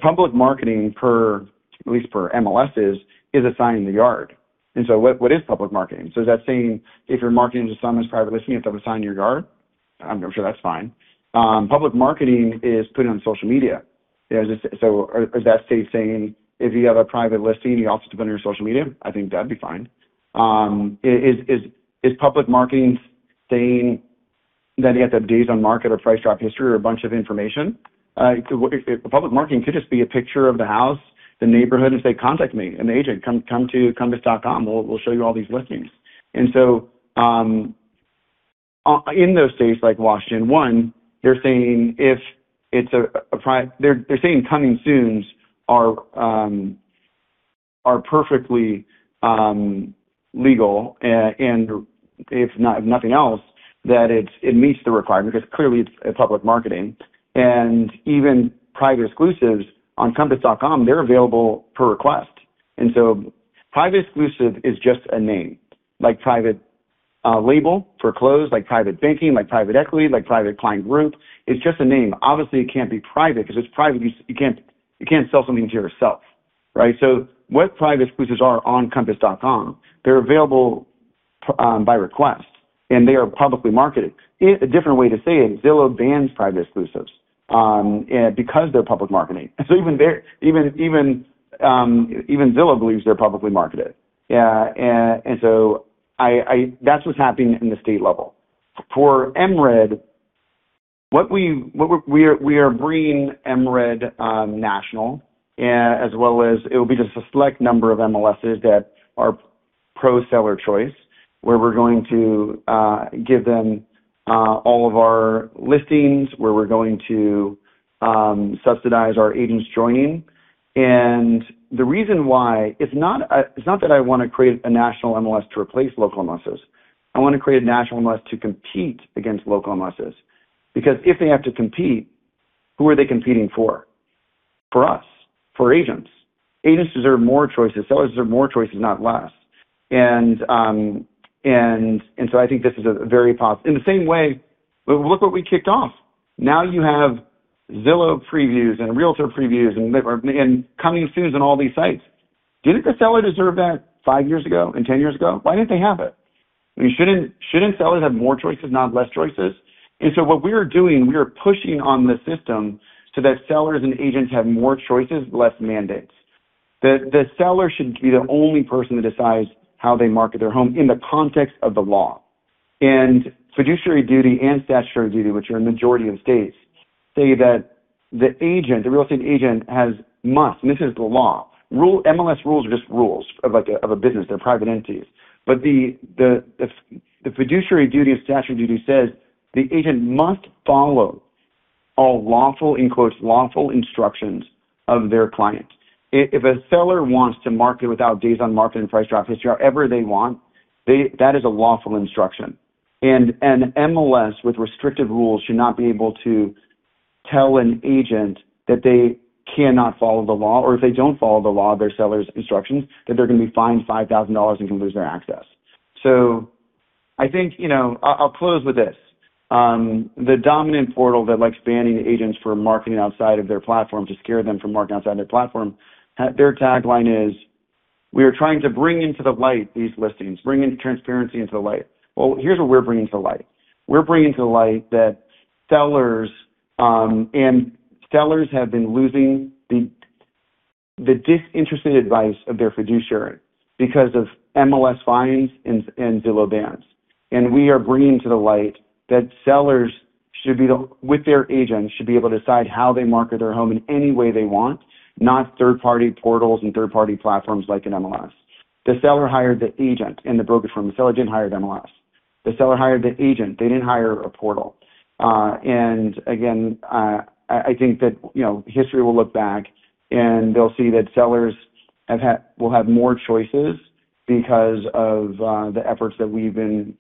C: Public marketing per, at least per MLSs, is a sign in the yard. What is public marketing? Is that saying if you're marketing to some as private listing, you have to have a sign in your yard? I'm sure that's fine. Public marketing is putting on social media. Is that saying if you have a private listing, you also have to put it on your social media? I think that'd be fine. Is public marketing saying that it has to have days on market or price drop history or a bunch of information? Public marketing could just be a picture of the house, the neighborhood, and say, "Contact me. I'm the agent. Come to compass.com. We'll show you all these listings. In those states like Washington, one, they're saying if it's a, they're saying Coming Soon are perfectly legal, and if not, if nothing else, that it meets the requirement 'cause clearly it's a public marketing. Even Private Exclusives on compass.com, they're available per request. Private Exclusive is just a name, like private label for clothes, like private banking, like private equity, like private client group. It's just a name. Obviously, it can't be private 'cause it's private use. You can't sell something to yourself, right? What Private Exclusives are on compass.com, they're available by request, and they are publicly marketed. A different way to say it, Zillow bans Private Exclusives because they're public marketing. Even Zillow believes they're publicly marketed. That's what's happening in the state level. For MRED, what we are bringing MRED national as well as it'll be just a select number of MLSs that are pro-seller choice, where we're going to give them all of our listings, where we're going to subsidize our agents joining. The reason why, it's not, it's not that I wanna create a national MLS to replace local MLSs. I wanna create a national MLS to compete against local MLSs. If they have to compete, who are they competing for? For us, for agents. Agents deserve more choices. Sellers deserve more choices, not less. I think this is a very. In the same way, look what we kicked off. Now you have Zillow Previews and Realtor Previews Coming Soon on all these sites. Didn't the seller deserve that five years ago and 10 years ago? Why didn't they have it? I mean, shouldn't sellers have more choices, not less choices? What we are doing, we are pushing on the system so that sellers and agents have more choices, less mandates. The seller should be the only person that decides how they market their home in the context of the law. Fiduciary duty and statutory duty, which are a majority of states, say that the agent, the real estate agent has, must, and this is the law. MLS rules are just rules of a business. They're private entities. The fiduciary duty and statutory duty says the agent must follow all lawful, in quotes, lawful instructions of their client. If a seller wants to market without days on market and price drop, it's however they want, that is a lawful instruction. An MLS with restrictive rules should not be able to tell an agent that they cannot follow the law, or if they don't follow the law of their seller's instructions, that they're gonna be fined $5,000 and can lose their access. I think, you know, I'll close with this. The dominant portal that likes banning agents for marketing outside of their platform to scare them from marketing outside their platform, their tagline is: We are trying to bring into the light these listings, bring transparency into the light. Well, here's what we're bringing to the light. We're bringing to the light that sellers, and sellers have been losing the disinterested advice of their fiduciary because of MLS fines and Zillow bans. We are bringing to the light that sellers with their agents should be able to decide how they market their home in any way they want, not third-party portals and third-party platforms like an MLS. The seller hired the agent and the brokerage firm. The seller didn't hire the MLS. The seller hired the agent. They didn't hire a portal. Again, I think that, you know, history will look back, and they'll see that sellers will have more choices because of the efforts that we've been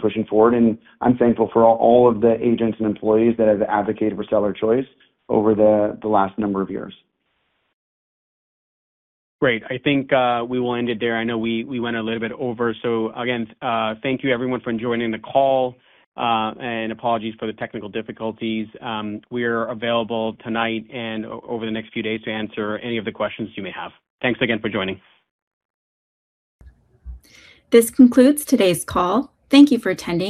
C: pushing forward. I'm thankful for all of the agents and employees that have advocated for seller choice over the last number of years.
B: Great. I think we will end it there. I know we went a little bit over. Again, thank you everyone for joining the call. Apologies for the technical difficulties. We are available tonight and over the next few days to answer any of the questions you may have. Thanks again for joining.
A: This concludes today's call. Thank you for attending.